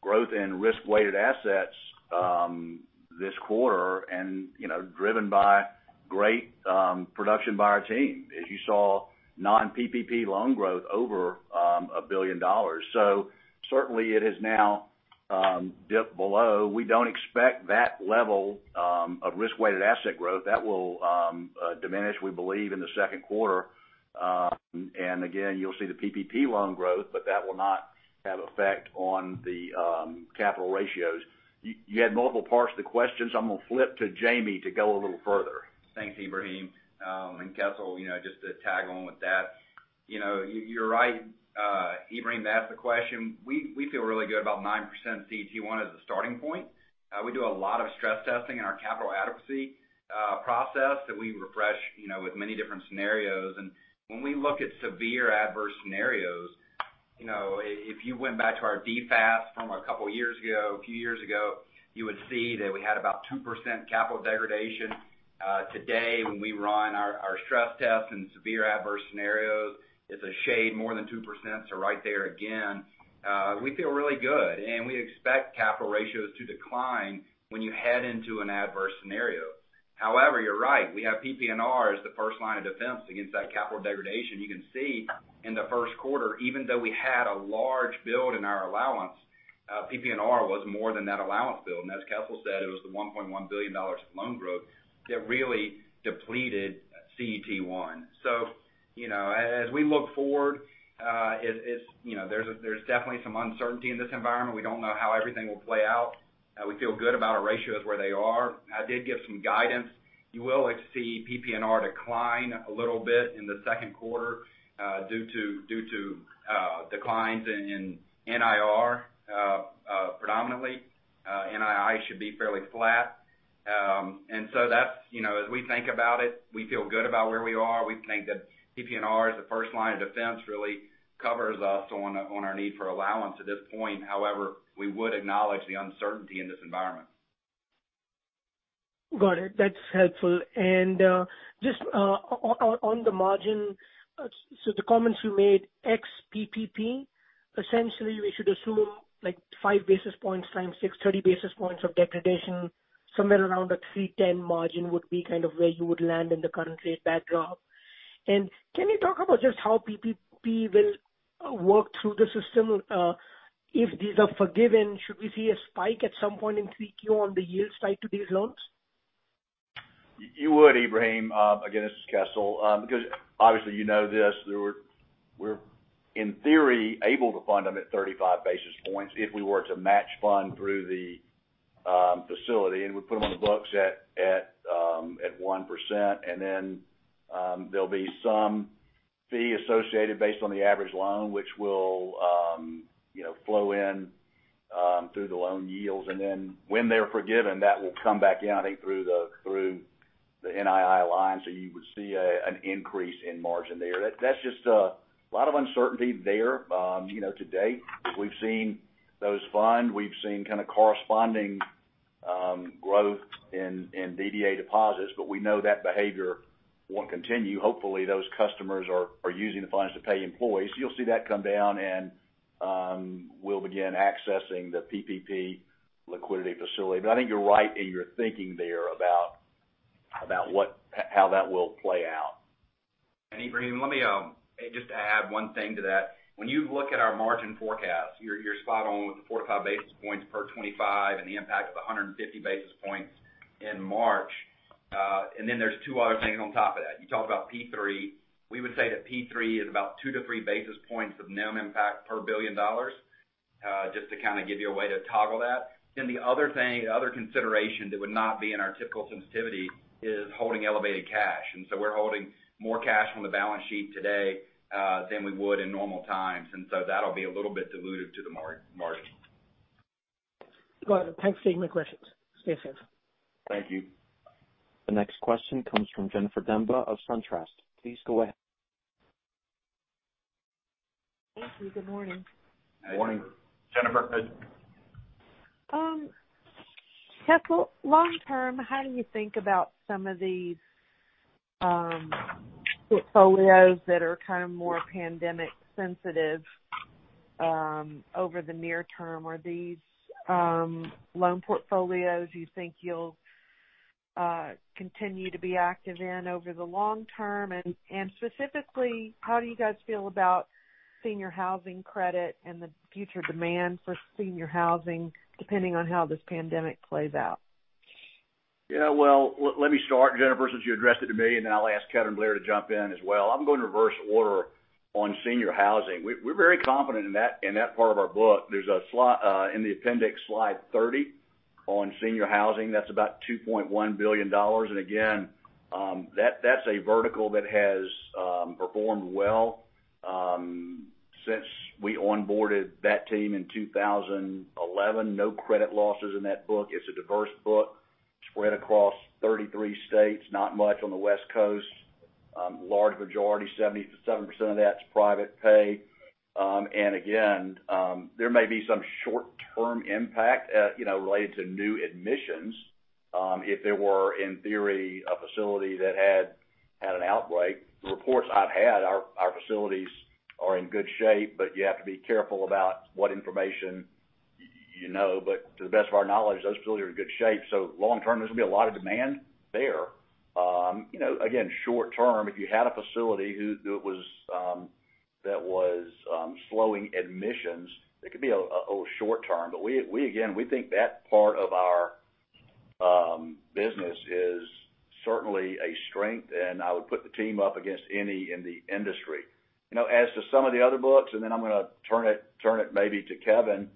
Speaker 3: growth in risk-weighted assets this quarter, driven by great production by our team. As you saw, non-PPP loan growth over $1 billion. Certainly, it has now dipped below. We don't expect that level of risk-weighted asset growth. That will diminish, we believe, in the second quarter. Again, you'll see the PPP loan growth, but that will not have effect on the capital ratios. You had multiple parts to the questions. I'm going to flip to Jamie to go a little further.
Speaker 4: Thanks, Ebrahim. Kessel, just to tag along with that, you're right, Ebrahim, to ask the question. We feel really good about 9% CET1 as a starting point. We do a lot of stress testing in our capital adequacy process that we refresh with many different scenarios. When we look at severe adverse scenarios, if you went back to our DFAST from a couple years ago, a few years ago, you would see that we had about 2% capital degradation. Today, when we run our stress tests in severe adverse scenarios, it's a shade more than 2%, so right there again. We feel really good, and we expect capital ratios to decline when you head into an adverse scenario. However, you're right, we have PPNR as the first line of defense against that capital degradation. You can see in the first quarter, even though we had a large build in our allowance, PPNR was more than that allowance build. As Kessel said, it was the $1.1 billion of loan growth that really depleted CET1. As we look forward, there's definitely some uncertainty in this environment. We don't know how everything will play out. We feel good about our ratios where they are. I did give some guidance. You will see PPNR decline a little in the second quarter due to declines in NIR predominantly. NII should be fairly flat. As we think about it, we feel good about where we are. We think that PPNR as the first line of defense really covers us on our need for allowance at this point. However, we would acknowledge the uncertainty in this environment.
Speaker 6: Got it. That's helpful. Just on the margin, the comments you made, ex PPP, essentially, we should assume five basis points times 630 basis points of degradation, somewhere around a 310 margin would be kind of where you would land in the current rate backdrop. Can you talk about just how PPP will work through the system? If these are forgiven, should we see a spike at some point in 3Q on the yield side to these loans?
Speaker 3: You would, Ebrahim. Again, this is Kessel. Obviously you know this, we're in theory able to fund them at 35 basis points if we were to match fund through the facility, and we put them on the books at 1%. There'll be some fee associated based on the average loan, which will flow in through the loan yields. When they're forgiven, that will come back in, I think, through the NII line, so you would see an increase in margin there. That's just a lot of uncertainty there. To date, we've seen those fund. We've seen kind of corresponding growth in DDA deposits, but we know that behavior won't continue. Hopefully, those customers are using the funds to pay employees. You'll see that come down, and we'll begin accessing the PPP liquidity facility. I think you're right in your thinking there about how that will play out.
Speaker 4: Ebrahim, let me just add one thing to that. When you look at our margin forecast, you're spot on with the 4-5 basis points per 25 and the impact of the 150 basis points in March. There's two other things on top of that. You talked about P3. We would say that P3 is about 2-3 basis points of NIM impact per $1 billion, just to kind of give you a way to toggle that. The other thing, the other consideration that would not be in our typical sensitivity is holding elevated cash. We're holding more cash on the balance sheet today than we would in normal times. That'll be a little bit dilutive to the margin.
Speaker 6: Got it. Thanks. That's my questions. Stay safe.
Speaker 3: Thank you.
Speaker 1: The next question comes from Jennifer Demba of SunTrust. Please go ahead.
Speaker 7: Thank you. Good morning.
Speaker 3: Morning.
Speaker 4: Morning, Jennifer.
Speaker 7: Kessel, long term, how do you think about some of these portfolios that are kind of more pandemic sensitive over the near term? Are these loan portfolios you think you'll continue to be active in over the long term? Specifically, how do you guys feel about Senior Housing credit and the future demand for Senior Housing, depending on how this pandemic plays out?
Speaker 3: Well, let me start, Jennifer, since you addressed it to me, I'll ask Kevin Blair to jump in as well. I'm going to reverse order on Senior Housing. We're very confident in that part of our book. There's in the appendix, slide 30 on Senior Housing. That's about $2.1 billion. Again, that's a vertical that has performed well since we onboarded that team in 2011. No credit losses in that book. It's a diverse book spread across 33 states, not much on the West Coast. Large majority, 77% of that's private pay. Again, there may be some short-term impact related to new admissions. If there were, in theory, a facility that had an outbreak, the reports I've had, our facilities are in good shape, but you have to be careful about what information you know. To the best of our knowledge, those facilities are in good shape. Long term, there's going to be a lot of demand there. Again, short term, if you had a facility that was slowing admissions, it could be a short term. Again, we think that part of our business is certainly a strength, and I would put the team up against any in the industry. As to some of the other books, I'm going to turn it maybe to Kevin.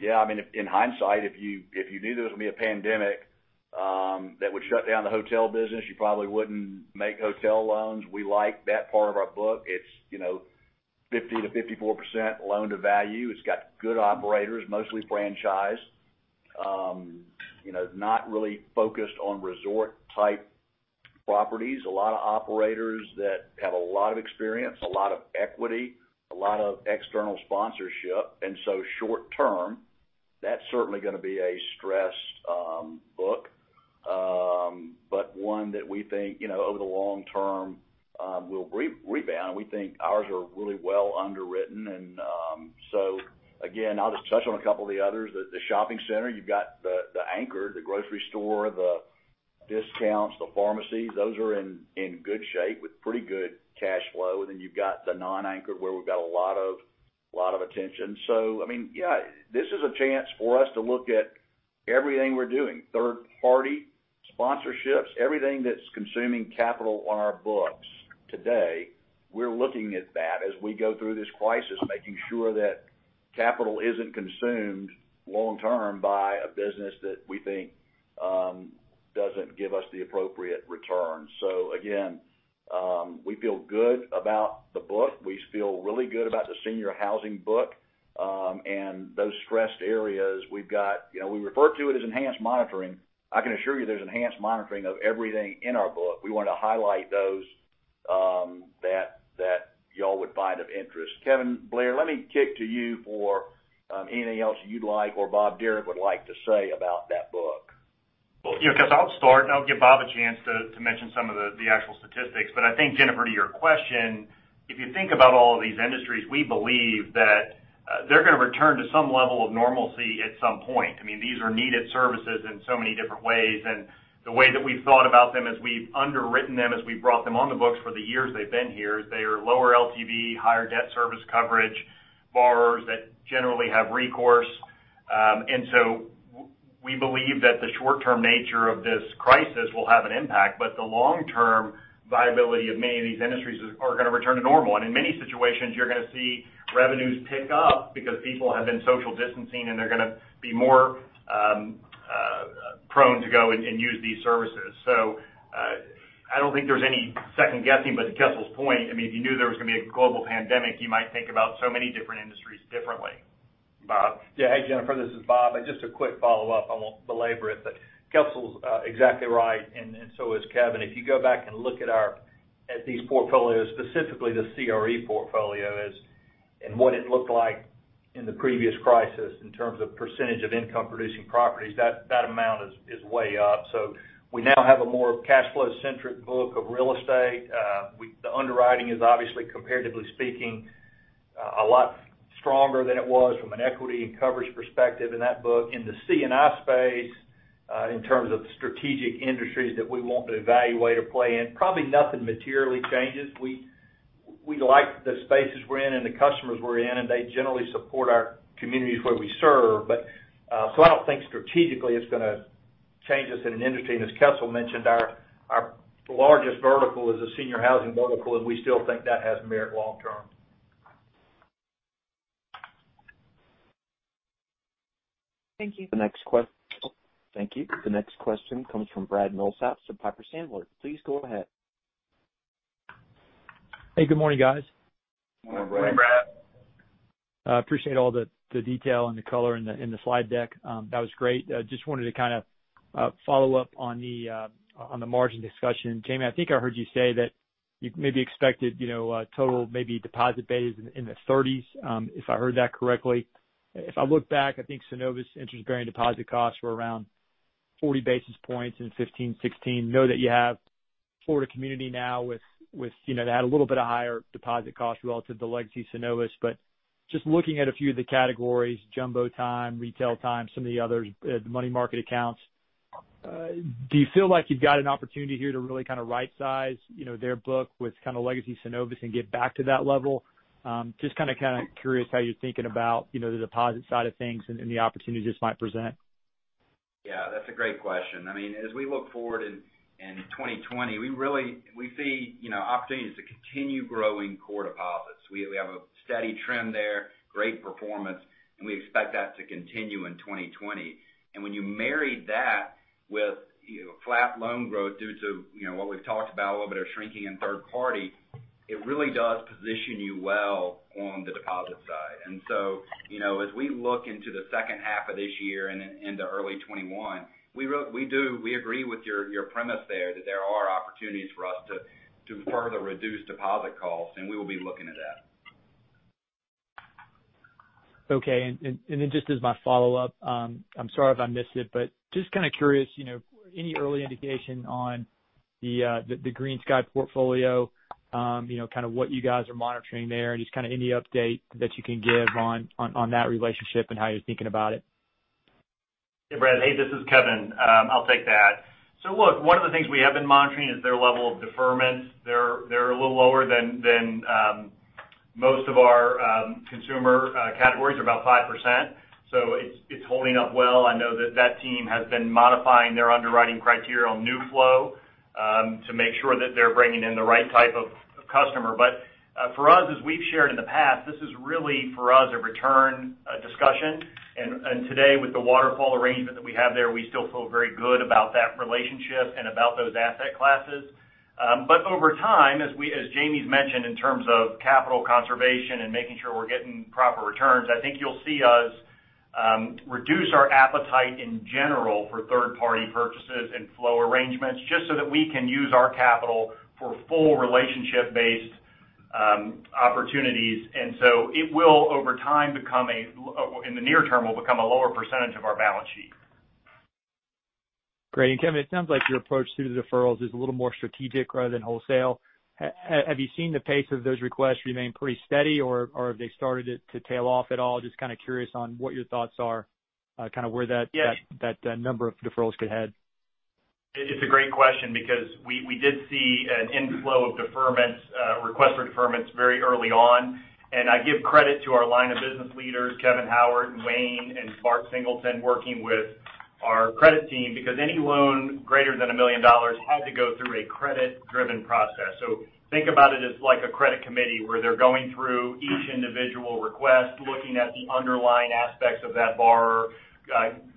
Speaker 3: Yeah, in hindsight, if you knew there was going to be a pandemic that would shut down the hotel business, you probably wouldn't make hotel loans. We like that part of our book. It's 50%-54% loan-to-value. It's got good operators, mostly franchised. Not really focused on resort-type properties. A lot of operators that have a lot of experience, a lot of equity, a lot of external sponsorship. Short term, that's certainly going to be a stress book. One that we think, over the long term, will rebound. We think ours are really well underwritten. Again, I'll just touch on a couple of the others. The shopping center, you've got the anchor, the grocery store, the discounts, the pharmacies. Those are in good shape with pretty good cash flow. You've got the non-anchor, where we've got a lot of attention. This is a chance for us to look at everything we're doing. Third-party sponsorships, everything that's consuming capital on our books today, we're looking at that as we go through this crisis, making sure that capital isn't consumed long term by a business that we think doesn't give us the appropriate return. Again, we feel good about the book. We feel really good about the Senior Housing book. Those stressed areas we've got, we refer to it as enhanced monitoring. I can assure you there's enhanced monitoring of everything in our book. We want to highlight those that you all would find of interest. Kevin Blair, let me kick to you for anything else you'd like or Bob Derrick would like to say about that book.
Speaker 5: Yeah, Kessel, I'll start, and I'll give Bob a chance to mention some of the actual statistics. I think, Jennifer, to your question, if you think about all of these industries, we believe that they're going to return to some level of normalcy at some point. These are needed services in so many different ways, and the way that we've thought about them as we've underwritten them, as we've brought them on the books for the years they've been here, is they are lower LTV, higher debt service coverage, borrowers that generally have recourse. We believe that the short-term nature of this crisis will have an impact, but the long-term viability of many of these industries are going to return to normal. In many situations, you're going to see revenues pick up because people have been social distancing, and they're going to be more prone to go and use these services. I don't think there's any second-guessing, but to Kessel's point, if you knew there was going to be a global pandemic, you might think about so many different industries differently. Bob?
Speaker 8: Yeah. Hey, Jennifer, this is Bob. Just a quick follow-up. I won't belabor it, but Kessel's exactly right, and so is Kevin. If you go back and look at these portfolios, specifically the CRE portfolio and what it looked like in the previous crisis in terms of percentage of income-producing properties, that amount is way up. We now have a more cash flow-centric book of real estate. The underwriting is obviously, comparatively speaking, a lot stronger than it was from an equity and coverage perspective in that book. In the C&I space, in terms of strategic industries that we want to evaluate or play in, probably nothing materially changes. We like the spaces we're in and the customers we're in, and they generally support our communities where we serve. I don't think strategically it's going to change us in an industry. As Kessel mentioned, our largest vertical is a Senior Housing vertical, and we still think that has merit long term.
Speaker 1: Thank you.
Speaker 3: Thank you.
Speaker 1: The next question comes from Brad Milsaps of Piper Sandler. Please go ahead.
Speaker 9: Hey, good morning, guys.
Speaker 3: Morning, Brad.
Speaker 5: Morning, Brad.
Speaker 9: I appreciate all the detail and the color in the slide deck. That was great. Just wanted to kind of follow up on the margin discussion. Jamie, I think I heard you say that you maybe expected a total maybe deposit base in the 30s, if I heard that correctly. If I look back, I think Synovus interest-bearing deposit costs were around 40 basis points in 2015, 2016. Know that you have Florida Community now with that a little bit of higher deposit cost relative to legacy Synovus. Just looking at a few of the categories, jumbo time, retail time, some of the others, the money market accounts, do you feel like you've got an opportunity here to really kind of right-size their book with kind of legacy Synovus and get back to that level? Just kind of curious how you're thinking about the deposit side of things and the opportunities this might present.
Speaker 3: Yeah, that's a great question. As we look forward in 2020, we see opportunities to continue growing core deposits. We have a steady trend there, great performance, and we expect that to continue in 2020. When you marry that with flat loan growth due to what we've talked about, a little bit of shrinking in third party, it really does position you well on the deposit side. As we look into the second half of this year and into early 2021, we agree with your premise there that there are opportunities for us to further reduce deposit costs, and we will be looking at that.
Speaker 9: Okay. Just as my follow-up, I'm sorry if I missed it, but just kind of curious, any early indication on the GreenSky portfolio, kind of what you guys are monitoring there, and just any update that you can give on that relationship and how you're thinking about it.
Speaker 5: Hey, Brad. Hey, this is Kevin. I'll take that. Look, one of the things we have been monitoring is their level of deferments. They're a little lower than most of our consumer categories. They're about 5%, so it's holding up well. I know that team has been modifying their underwriting criteria on new flow to make sure that they're bringing in the right type of customer. For us, as we've shared in the past, this is really, for us, a return discussion. Today with the waterfall arrangement that we have there, we still feel very good about that relationship and about those asset classes. Over time, as Jamie's mentioned, in terms of capital conservation and making sure we're getting proper returns, I think you'll see us reduce our appetite in general for third-party purchases and flow arrangements, just so that we can use our capital for full relationship-based opportunities. It will, over time, in the near term, become a lower percentage of our balance sheet.
Speaker 9: Great. Kevin, it sounds like your approach to the deferrals is a little more strategic rather than wholesale. Have you seen the pace of those requests remain pretty steady, or have they started to tail off at all? Just kind of curious on what your thoughts are.
Speaker 5: Yeah
Speaker 9: that number of deferrals could head.
Speaker 5: It's a great question because we did see an inflow of deferments, request for deferments very early on. I give credit to our line of business leaders, Kevin Howard, Wayne, and Mark Singleton, working with our credit team, because any loan greater than $1 million had to go through a credit-driven process. Think about it as like a credit committee, where they're going through each individual request, looking at the underlying aspects of that borrower,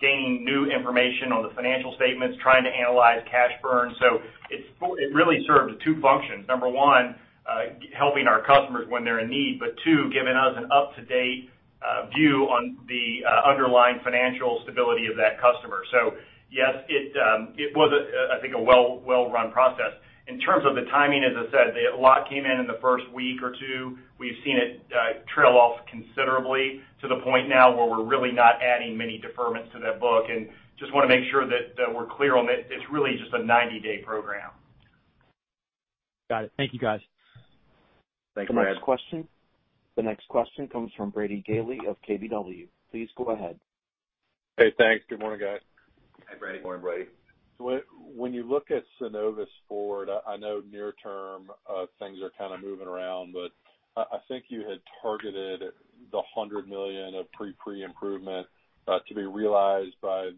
Speaker 5: gaining new information on the financial statements, trying to analyze cash burn. It really served two functions. Number one, helping our customers when they're in need, but two, giving us an up-to-date view on the underlying financial stability of that customer. Yes, it was, I think, a well run process. In terms of the timing, as I said, a lot came in in the first week or two. We've seen it trail off considerably to the point now where we're really not adding many deferments to that book, and just want to make sure that we're clear on that it's really just a 90-day program.
Speaker 9: Got it. Thank you, guys.
Speaker 5: Thanks, Brad.
Speaker 1: The next question comes from Brady Gailey of KBW. Please go ahead.
Speaker 10: Hey, thanks. Good morning, guys.
Speaker 5: Hi, Brady. Morning, Brady.
Speaker 10: When you look at Synovus Forward, I know near term things are kind of moving around, I think you had targeted the $100 million of pre-improvement to be realized by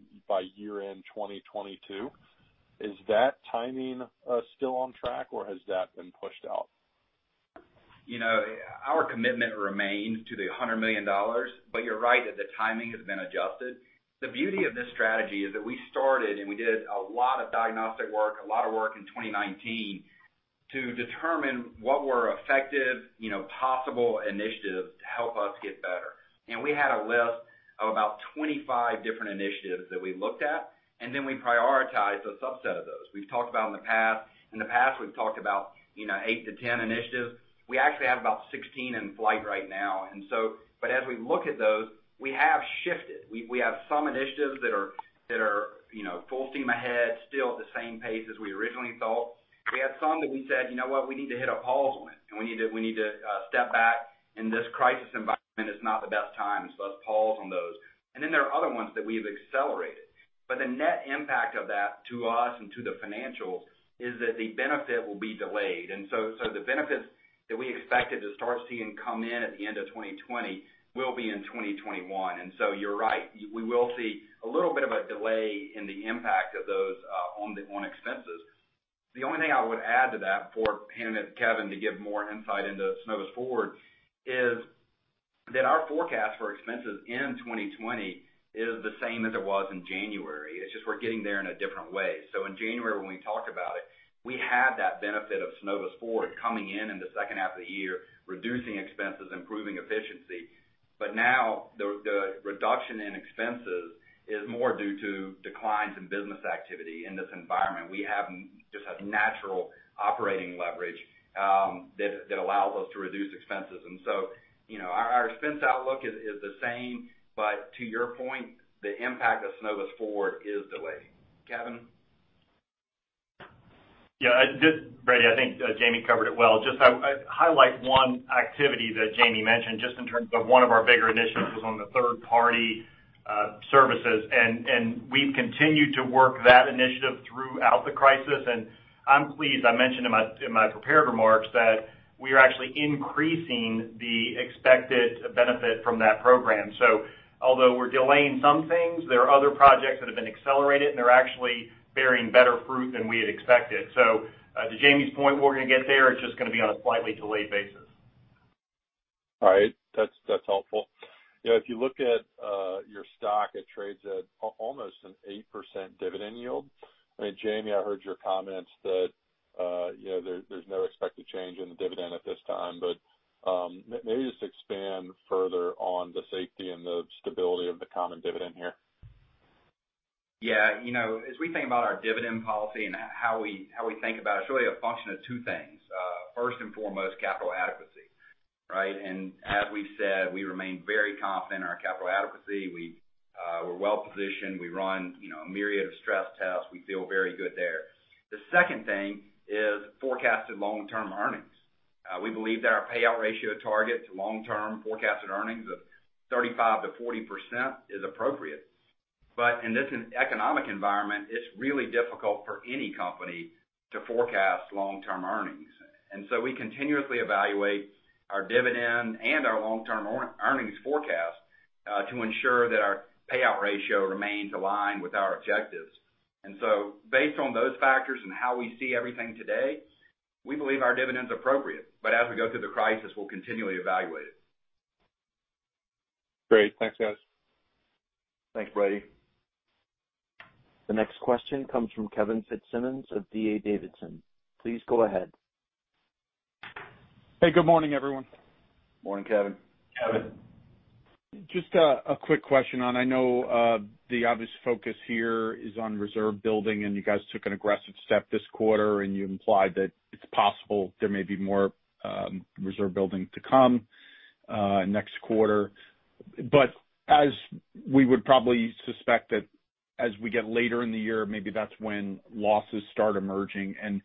Speaker 10: year-end 2022. Is that timing still on track, or has that been pushed out?
Speaker 5: Our commitment remains to the $100 million, but you're right that the timing has been adjusted. The beauty of this strategy is that we started and we did a lot of diagnostic work, a lot of work in 2019 to determine what were effective possible initiatives to help us get better. We had a list of about 25 different initiatives that we looked at, and then we prioritized a subset of those. We've talked about in the past. In the past, we've talked about 8-10 initiatives. We actually have about 16 in flight right now. As we look at those, we have shifted. We have some initiatives that are full steam ahead, still at the same pace as we originally thought. We had some that we said, "You know what? We need to hit a pause on it. We need to step back. This crisis environment is not the best time. Let's pause on those. There are other ones that we've accelerated. The net impact of that to us and to the financials is that the benefit will be delayed. The benefits that we expected to start seeing come in at the end of 2020 will be in 2021. You're right. We will see a little bit of a delay in the impact of those on expenses. The only thing I would add to that for handing it to Kevin to give more insight into Synovus Forward is that our forecast for expenses in 2020 is the same as it was in January. It's just we're getting there in a different way. In January, when we talked about it, we had that benefit of Synovus Forward coming in in the second half of the year, reducing expenses, improving efficiency. Now the reduction in expenses is more due to declines in business activity in this environment. We just have natural operating leverage that allows us to reduce expenses. Our expense outlook is the same, but to your point, the impact of Synovus Forward is delayed. Kevin? Yeah. Brady, I think Jamie covered it well. Just I highlight one activity that Jamie mentioned, just in terms of one of our bigger initiatives was on the third-party services, and we've continued to work that initiative throughout the crisis, and I'm pleased. I mentioned in my prepared remarks that we are actually increasing the expected benefit from that program. Although we're delaying some things, there are other projects that have been accelerated, and they're actually bearing better fruit than we had expected. To Jamie's point, we're going to get there. It's just going to be on a slightly delayed basis.
Speaker 10: All right. That's helpful. If you look at your stock, it trades at almost an 8% dividend yield. Jamie, I heard your comments that there's no expected change in the dividend at this time. Maybe just expand further on the safety and the stability of the common dividend here.
Speaker 4: Yeah. As we think about our dividend policy and how we think about it's really a function of two things. First and foremost, capital adequacy. Right? As we've said, we remain very confident in our capital adequacy. We're well-positioned. We run a myriad of stress tests. We feel very good there. The second thing is forecasted long-term earnings. We believe that our payout ratio target to long-term forecasted earnings of 35%-40% is appropriate. In this economic environment, it's really difficult for any company to forecast long-term earnings. We continuously evaluate our dividend and our long-term earnings forecast to ensure that our payout ratio remains aligned with our objectives. Based on those factors and how we see everything today, we believe our dividend's appropriate. As we go through the crisis, we'll continually evaluate it.
Speaker 10: Great. Thanks, guys.
Speaker 4: Thanks, Brady.
Speaker 1: The next question comes from Kevin Fitzsimmons of D.A. Davidson. Please go ahead.
Speaker 11: Hey, good morning, everyone.
Speaker 4: Morning, Kevin.
Speaker 3: Kevin.
Speaker 11: Just a quick question on, I know the obvious focus here is on reserve building. You guys took an aggressive step this quarter, and you implied that it's possible there may be more reserve building to come next quarter. As we would probably suspect that as we get later in the year, maybe that's when losses start emerging, and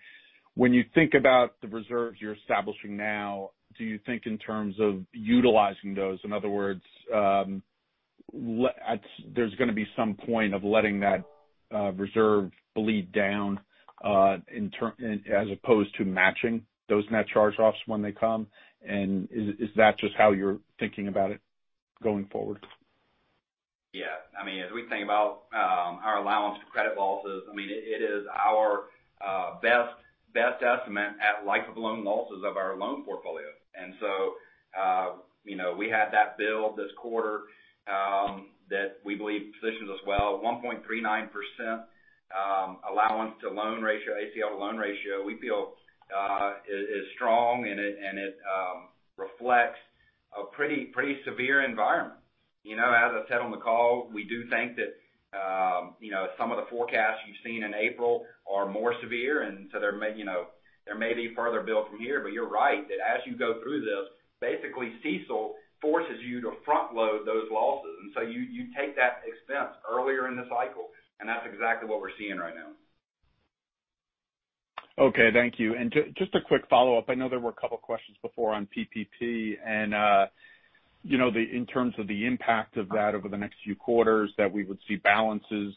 Speaker 11: when you think about the reserves you're establishing now, do you think in terms of utilizing those? In other words, there's going to be some point of letting that reserve bleed down as opposed to matching those net charge-offs when they come. Is that just how you're thinking about it going forward?
Speaker 4: As we think about our allowance to credit losses, it is our best estimate at life of loan losses of our loan portfolio. We had that build this quarter that we believe positions us well at 1.39% allowance to loan ratio, ACL to loan ratio, we feel is strong and it reflects a pretty severe environment. As I said on the call, we do think that some of the forecasts you've seen in April are more severe, and so there may be further build from here. You're right, that as you go through this, basically CECL forces you to front-load those losses, and so you take that expense earlier in the cycle, and that's exactly what we're seeing right now.
Speaker 11: Okay, thank you. Just a quick follow-up. I know there were a couple questions before on PPP, in terms of the impact of that over the next few quarters, that we would see balances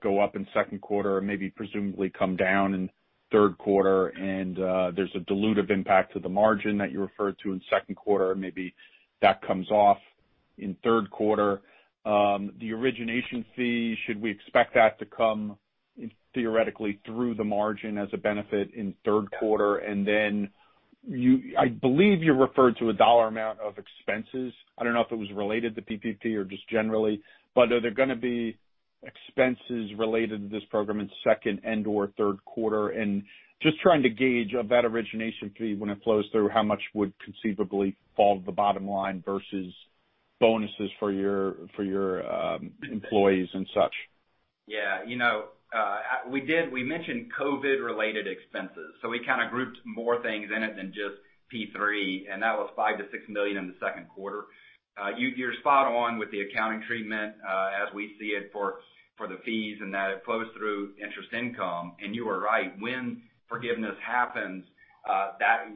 Speaker 11: go up in second quarter and maybe presumably come down in third quarter. There's a dilutive impact to the margin that you referred to in second quarter, maybe that comes off in third quarter. The origination fee, should we expect that to come theoretically through the margin as a benefit in third quarter? Then I believe you referred to a dollar amount of expenses. I don't know if it was related to PPP or just generally, but are there going to be expenses related to this program in second and/or third quarter? Just trying to gauge of that origination fee when it flows through, how much would conceivably fall to the bottom line versus bonuses for your employees and such?
Speaker 4: Yeah. We mentioned COVID related expenses, so we kind of grouped more things in it than just PPP, that was $5 million-$6 million in the second quarter. You're spot on with the accounting treatment as we see it for the fees and that it flows through interest income. You are right, when forgiveness happens,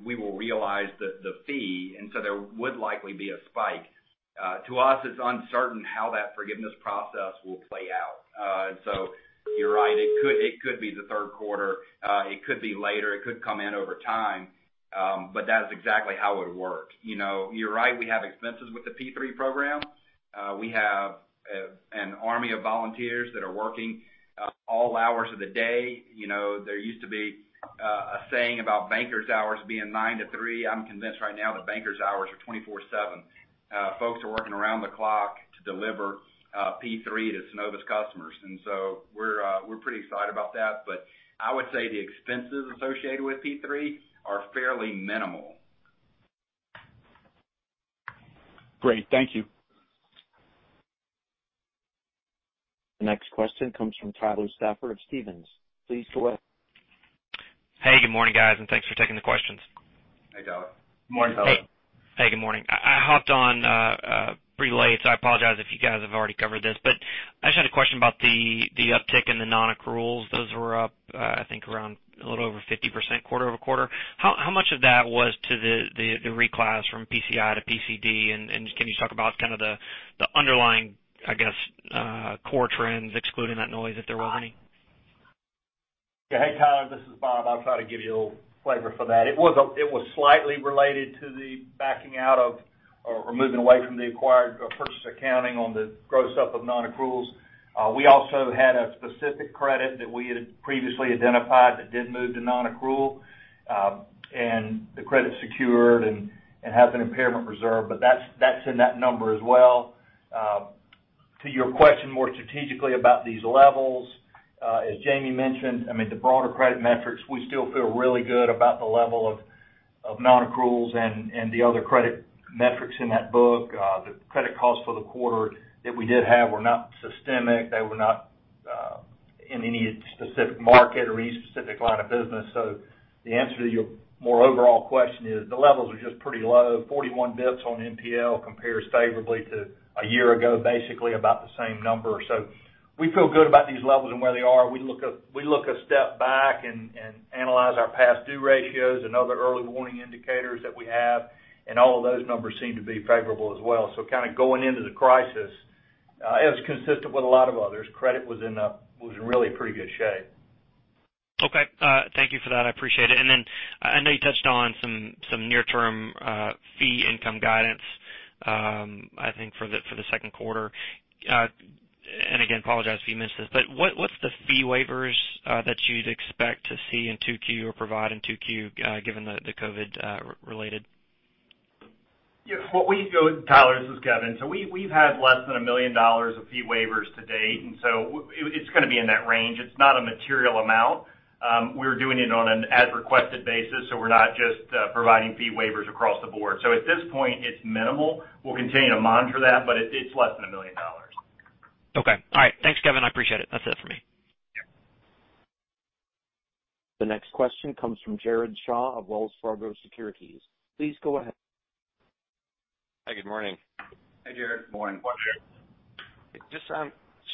Speaker 4: we will realize the fee, there would likely be a spike. To us, it's uncertain how that forgiveness process will play out. You're right, it could be the third quarter. It could be later. It could come in over time. That is exactly how it would work. You're right, we have expenses with the PPP program. We have an army of volunteers that are working all hours of the day. There used to be a saying about bankers' hours being 9:00 to 3:00. I'm convinced right now that bankers' hours are 24/7. Folks are working around the clock to deliver P3 to Synovus customers. We're pretty excited about that, but I would say the expenses associated with P3 are fairly minimal.
Speaker 11: Great. Thank you.
Speaker 1: The next question comes from Tyler Stafford of Stephens. Please go ahead.
Speaker 12: Hey, good morning, guys, thanks for taking the questions.
Speaker 4: Hey, Tyler.
Speaker 3: Morning, Tyler.
Speaker 12: Hey, good morning. I hopped on pretty late, so I apologize if you guys have already covered this, but I just had a question about the uptick in the nonaccruals. Those were up, I think around a little over 50% quarter-over-quarter. How much of that was to the reclass from PCI to PCD, and can you talk about kind of the underlying, I guess, core trends excluding that noise if there were any?
Speaker 8: Hey, Tyler, this is Bob. I'll try to give you a little flavor for that. It was slightly related to the backing out of, or moving away from the acquired purchase accounting on the gross up of nonaccruals. We also had a specific credit that we had previously identified that did move to nonaccrual. The credit secured and has an impairment reserve, but that's in that number as well. To your question more strategically about these levels. As Jamie mentioned, the broader credit metrics, we still feel really good about the level of nonaccruals and the other credit metrics in that book. The credit costs for the quarter that we did have were not systemic. They were not in any specific market or any specific line of business. The answer to your more overall question is the levels are just pretty low. 41 basis points on NPL compares favorably to a year ago, basically about the same number. We feel good about these levels and where they are. We look a step back and analyze our past due ratios and other early warning indicators that we have, and all of those numbers seem to be favorable as well. Going into the crisis, it was consistent with a lot of others. Credit was in really pretty good shape.
Speaker 12: Okay. Thank you for that. I appreciate it. Then I know you touched on some near-term fee income guidance, I think for the second quarter. Again, apologize if you missed this, but what's the fee waivers that you'd expect to see in two Q or provide in two Q, given the COVID related?
Speaker 5: Yes. Tyler, this is Kevin. We've had less than $1 million of fee waivers to date, it's going to be in that range. It's not a material amount. We're doing it on an as-requested basis, we're not just providing fee waivers across the board. At this point, it's minimal. We'll continue to monitor that, it's less than $1 million.
Speaker 12: Okay. All right. Thanks, Kevin. I appreciate it. That's it for me.
Speaker 8: Yeah.
Speaker 1: The next question comes from Jared Shaw of Wells Fargo Securities. Please go ahead.
Speaker 13: Hi, good morning.
Speaker 8: Hi, Jared.
Speaker 3: Good morning.
Speaker 13: Just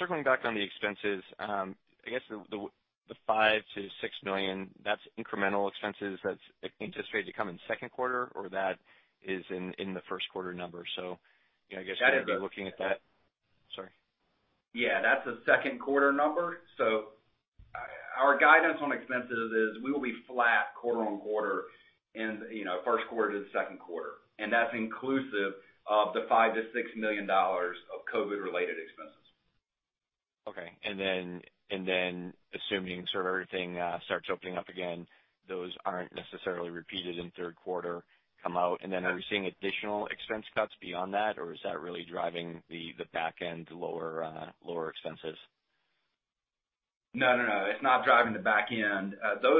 Speaker 13: circling back on the expenses. I guess the $5 million-$6 million, that's incremental expenses that's anticipated to come in the second quarter, or that is in the first quarter number.
Speaker 4: That is the-
Speaker 13: we're going to be looking at that. Sorry.
Speaker 4: Yeah, that's a second quarter number. Our guidance on expenses is we will be flat quarter-over-quarter in the first quarter to the second quarter, and that's inclusive of the $5 million-$6 million of COVID-19 related expenses.
Speaker 13: Okay. Assuming sort of everything starts opening up again, those aren't necessarily repeated in third quarter come out. Are we seeing additional expense cuts beyond that, or is that really driving the back end lower expenses?
Speaker 4: No, it's not driving the back end. The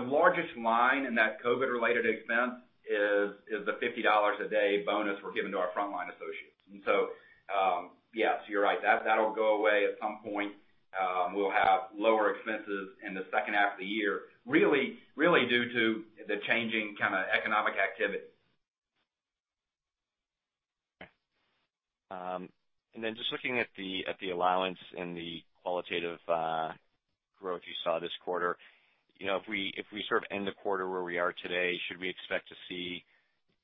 Speaker 4: largest line in that COVID-related expense is the $50 a day bonus we're giving to our frontline associates. Yes, you're right. That'll go away at some point. We'll have lower expenses in the second half of the year, really due to the changing kind of economic activity.
Speaker 13: Okay. Just looking at the allowance and the qualitative growth you saw this quarter, if we sort of end the quarter where we are today, should we expect to see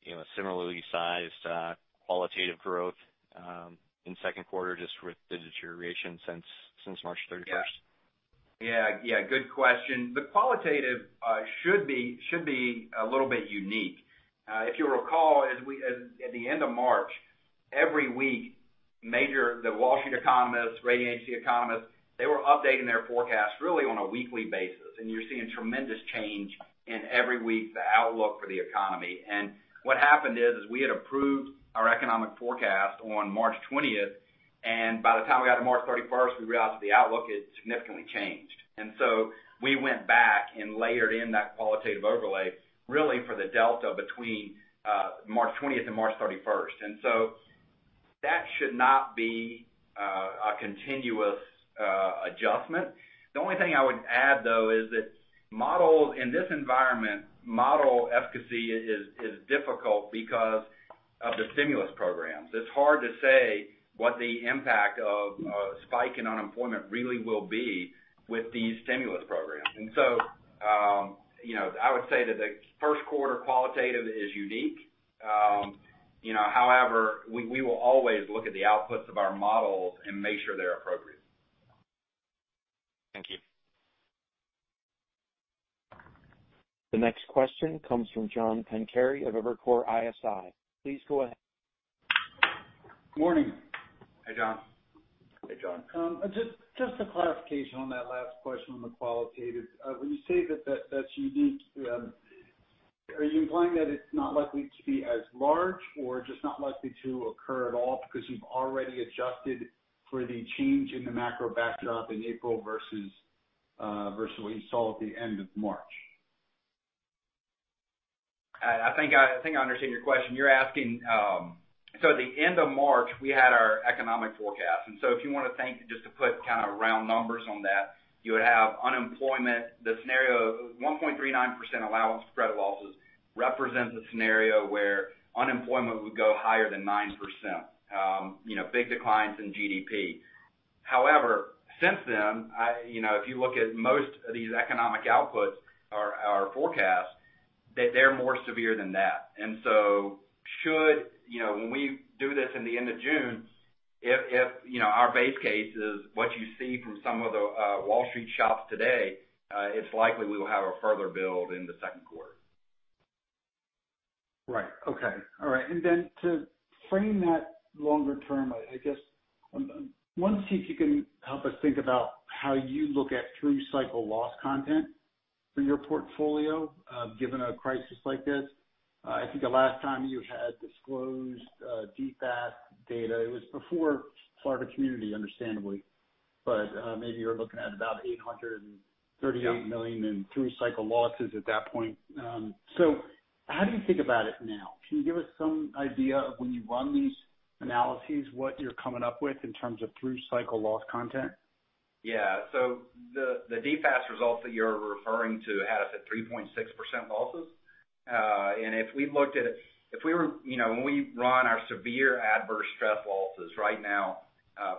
Speaker 13: a similarly sized qualitative growth in second quarter just with the deterioration since March 31st?
Speaker 4: Yeah. Good question. The qualitative should be a little bit unique. If you'll recall, at the end of March, every week, the Wall Street economists, rating agency economists, they were updating their forecast really on a weekly basis, and you're seeing tremendous change in every week, the outlook for the economy. What happened is we had approved our economic forecast on March 20th, and by the time we got to March 31st, we realized that the outlook had significantly changed. We went back and layered in that qualitative overlay, really for the delta between March 20th and March 31st. That should not be a continuous adjustment. The only thing I would add, though, is that in this environment, model efficacy is difficult because of the stimulus programs. It's hard to say what the impact of a spike in unemployment really will be with these stimulus programs. I would say that the first quarter qualitative is unique. However, we will always look at the outputs of our models and make sure they're appropriate.
Speaker 13: Thank you.
Speaker 1: The next question comes from John Pancari of Evercore ISI. Please go ahead.
Speaker 14: Morning.
Speaker 4: Hi, John.
Speaker 3: Hey, John.
Speaker 14: Just a clarification on that last question on the qualitative. When you say that that's unique, are you implying that it's not likely to be as large or just not likely to occur at all because you've already adjusted for the change in the macro backdrop in April versus what you saw at the end of March?
Speaker 4: I think I understand your question. At the end of March, we had our economic forecast. If you want to think, just to put kind of round numbers on that, you would have unemployment, the scenario of 1.39% allowance for credit losses represents a scenario where unemployment would go higher than 9%. Big declines in GDP. However, since then, if you look at most of these economic outputs or our forecast, they're more severe than that. When we do this in the end of June, if our base case is what you see from some of the Wall Street shops today, it's likely we will have a further build in the second quarter.
Speaker 14: Right. Okay. All right. To frame that longer term, I guess, I want to see if you can help us think about how you look at through-cycle loss content for your portfolio, given a crisis like this. I think the last time you had disclosed DFAST data, it was before Florida Community, understandably. Maybe you're looking at about $838 million in through-cycle losses at that point. How do you think about it now? Can you give us some idea of when you run these analyses, what you're coming up with in terms of through-cycle loss content?
Speaker 4: The DFAST results that you're referring to had us at 3.6% losses. When we run our severe adverse stress losses right now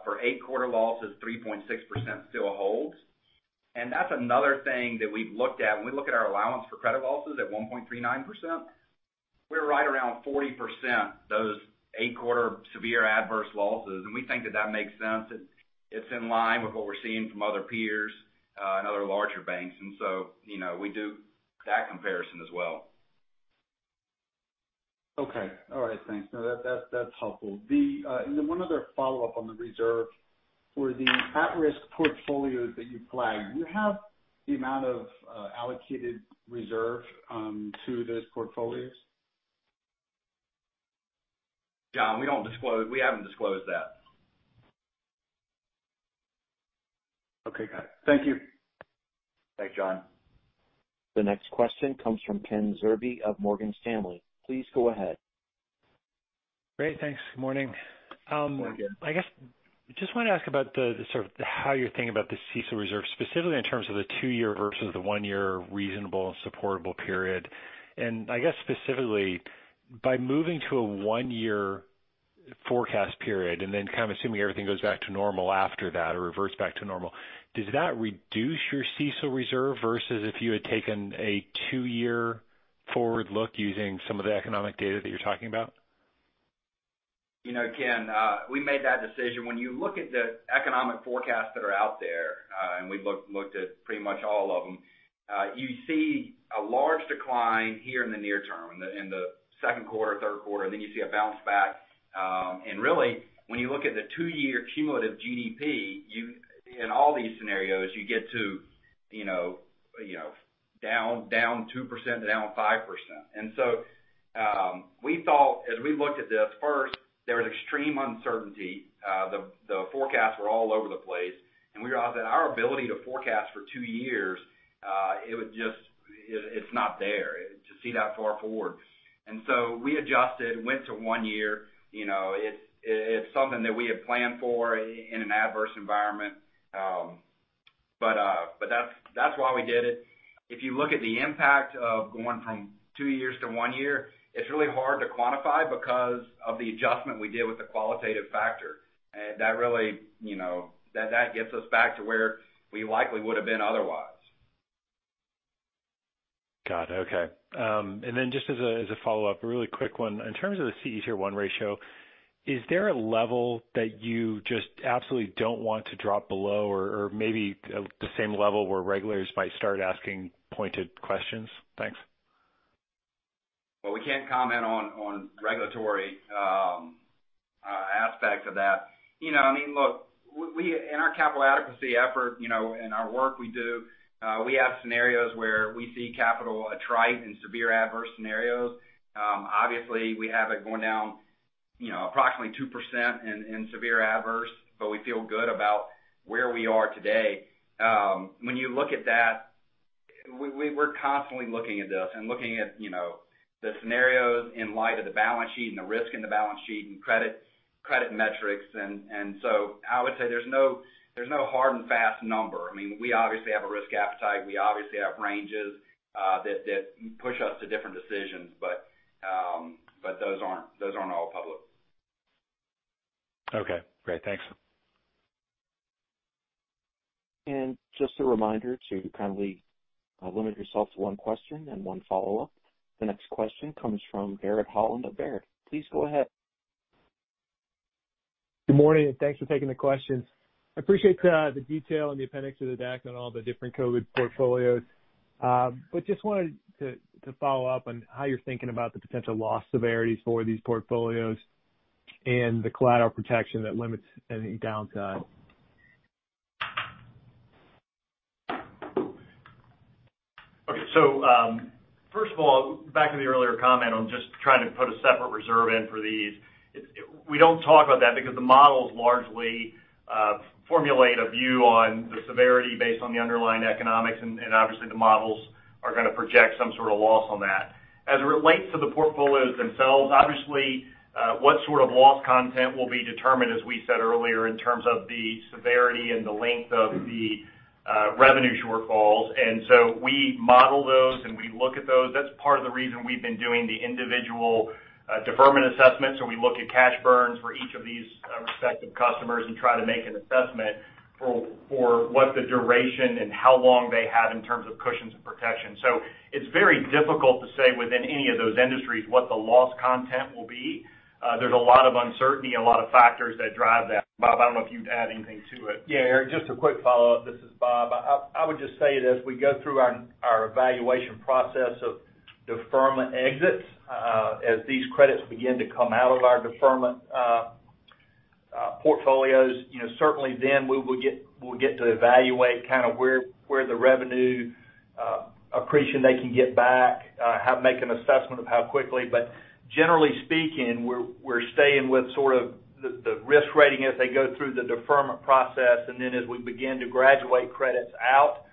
Speaker 4: for eight-quarter losses, 3.6% still holds. That's another thing that we've looked at. When we look at our allowance for credit losses at 1.39%, we're right around 40% those eight-quarter severe adverse losses. We think that that makes sense. It's in line with what we're seeing from other peers and other larger banks. We do that comparison as well.
Speaker 14: Okay. All right, thanks. No, that's helpful. Then one other follow-up on the reserve. For the at-risk portfolios that you flagged, do you have the amount of allocated reserve to those portfolios?
Speaker 4: John, we haven't disclosed that.
Speaker 14: Okay, got it. Thank you.
Speaker 4: Thanks, John.
Speaker 1: The next question comes from Kenneth Zerbe of Morgan Stanley. Please go ahead.
Speaker 15: Great, thanks. Good morning.
Speaker 4: Morning, Ken.
Speaker 15: I guess, just want to ask about how you're thinking about the CECL reserve, specifically in terms of the two-year versus the one-year reasonable and supportable period. I guess specifically, by moving to a one-year forecast period and then kind of assuming everything goes back to normal after that or reverts back to normal, does that reduce your CECL reserve versus if you had taken a two-year forward look using some of the economic data that you're talking about?
Speaker 4: Ken, we made that decision. When you look at the economic forecasts that are out there, and we've looked at pretty much all of them, you see a large decline here in the near term, in the second quarter, third quarter, and then you see a bounce back. Really, when you look at the 2-year cumulative GDP, in all these scenarios, you get to down 2% to down 5%. We thought as we looked at this, first, there was extreme uncertainty. The forecasts were all over the place, and our ability to forecast for 2 years, it's not there to see that far forward. We adjusted, went to one year. It's something that we had planned for in an adverse environment. But that's why we did it. If you look at the impact of going from two years to one year, it's really hard to quantify because of the adjustment we did with the qualitative factor. That gets us back to where we likely would've been otherwise.
Speaker 15: Got it. Okay. Just as a follow-up, a really quick one. In terms of the CET1 ratio, is there a level that you just absolutely don't want to drop below or maybe the same level where regulators might start asking pointed questions? Thanks.
Speaker 4: We can't comment on regulatory aspects of that. Look, in our capital adequacy effort, in our work we do, we have scenarios where we see capital attrite in severe adverse scenarios. Obviously, we have it going down approximately 2% in severe adverse, but we feel good about where we are today. When you look at that, we're constantly looking at this and looking at the scenarios in light of the balance sheet and the risk in the balance sheet and credit metrics. I would say there's no hard and fast number. We obviously have a risk appetite. We obviously have ranges that push us to different decisions. Those aren't all public.
Speaker 15: Okay, great. Thanks.
Speaker 1: Just a reminder to kindly limit yourself to one question and one follow-up. The next question comes from Eric Holland of Baird. Please go ahead.
Speaker 16: Good morning, and thanks for taking the questions. I appreciate the detail in the appendix of the deck on all the different COVID portfolios. Just wanted to follow up on how you're thinking about the potential loss severities for these portfolios and the collateral protection that limits any downside.
Speaker 5: First of all, back to the earlier comment on just trying to put a separate reserve in for these. We don't talk about that because the models largely formulate a view on the severity based on the underlying economics, and obviously the models are going to project some sort of loss on that. As it relates to the portfolios themselves, obviously, what sort of loss content will be determined, as we said earlier, in terms of the severity and the length of the revenue shortfalls. We model those, and we look at those. That's part of the reason we've been doing the individual deferment assessments, where we look at cash burns for each of these respective customers and try to make an assessment for what the duration and how long they have in terms of cushions and protection. It's very difficult to say within any of those industries what the loss content will be. There's a lot of uncertainty and a lot of factors that drive that. Bob, I don't know if you'd add anything to it.
Speaker 8: Yeah, Eric, just a quick follow-up. This is Bob. I would just say it as we go through our evaluation process of deferment exits as these credits begin to come out of our deferment. Portfolios. Certainly then we will get to evaluate where the revenue accretion they can get back, make an assessment of how quickly, but generally speaking, we're staying with the risk rating as they go through the deferment process, and then as we begin to graduate credits out,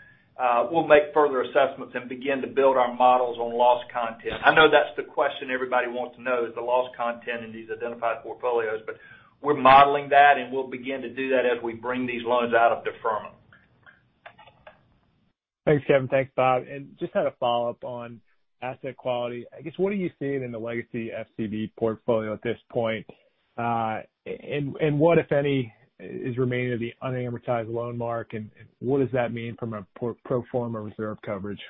Speaker 8: we'll make further assessments and begin to build our models on loss content. I know that's the question everybody wants to know is the loss content in these identified portfolios, but we're modeling that, and we'll begin to do that as we bring these loans out of deferment.
Speaker 16: Thanks, Kevin. Thanks, Bob. Just had a follow-up on asset quality. I guess what are you seeing in the legacy FCB portfolio at this point? What, if any, is remaining of the unamortized loan mark, and what does that mean from a pro forma reserve coverage?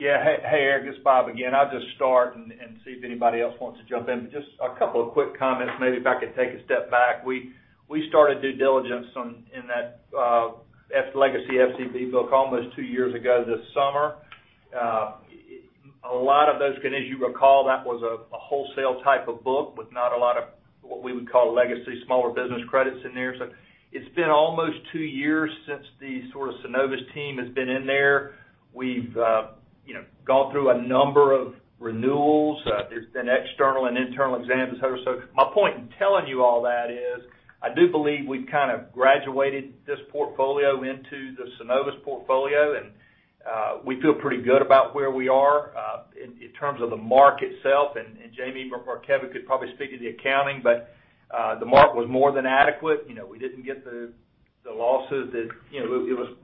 Speaker 8: Yeah. Hey, Eric, it's Bob again. I'll just start and see if anybody else wants to jump in. Just a couple of quick comments, maybe if I could take a step back. We started due diligence in that legacy FCB book almost two years ago this summer. As you recall, that was a wholesale type of book with not a lot of what we would call legacy smaller business credits in there. It's been almost two years since the Synovus team has been in there. We've gone through a number of renewals. There's been external and internal exams, et cetera. My point in telling you all that is, I do believe we've kind of graduated this portfolio into the Synovus portfolio, and we feel pretty good about where we are. In terms of the mark itself, Jamie or Kevin could probably speak to the accounting, the mark was more than adequate. It was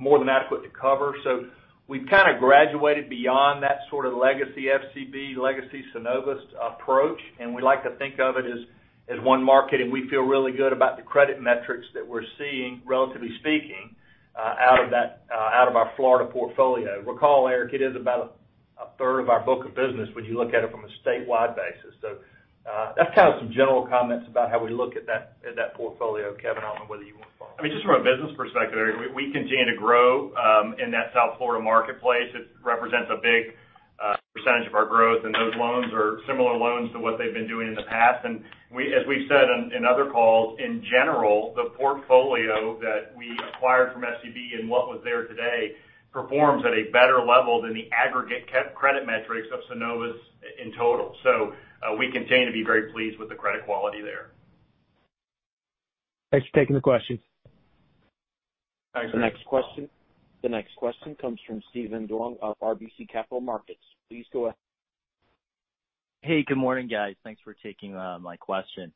Speaker 8: more than adequate to cover. We've kind of graduated beyond that legacy FCB, legacy Synovus approach, we like to think of it as one market, we feel really good about the credit metrics that we're seeing, relatively speaking, out of our Florida portfolio. Recall, Eric, it is about a third of our book of business when you look at it from a statewide basis. That's some general comments about how we look at that portfolio. Kevin, I don't know whether you want to follow up.
Speaker 5: From a business perspective, Eric, we continue to grow in that South Florida marketplace. It represents a big percentage of our growth, and those loans are similar loans to what they've been doing in the past. As we've said in other calls, in general, the portfolio that we acquired from FCB and what was there today performs at a better level than the aggregate credit metrics of Synovus in total. We continue to be very pleased with the credit quality there.
Speaker 16: Thanks for taking the question.
Speaker 8: Thanks, Eric.
Speaker 1: The next question comes from Steven Duong of RBC Capital Markets. Please go ahead.
Speaker 17: Hey, good morning, guys. Thanks for taking my question.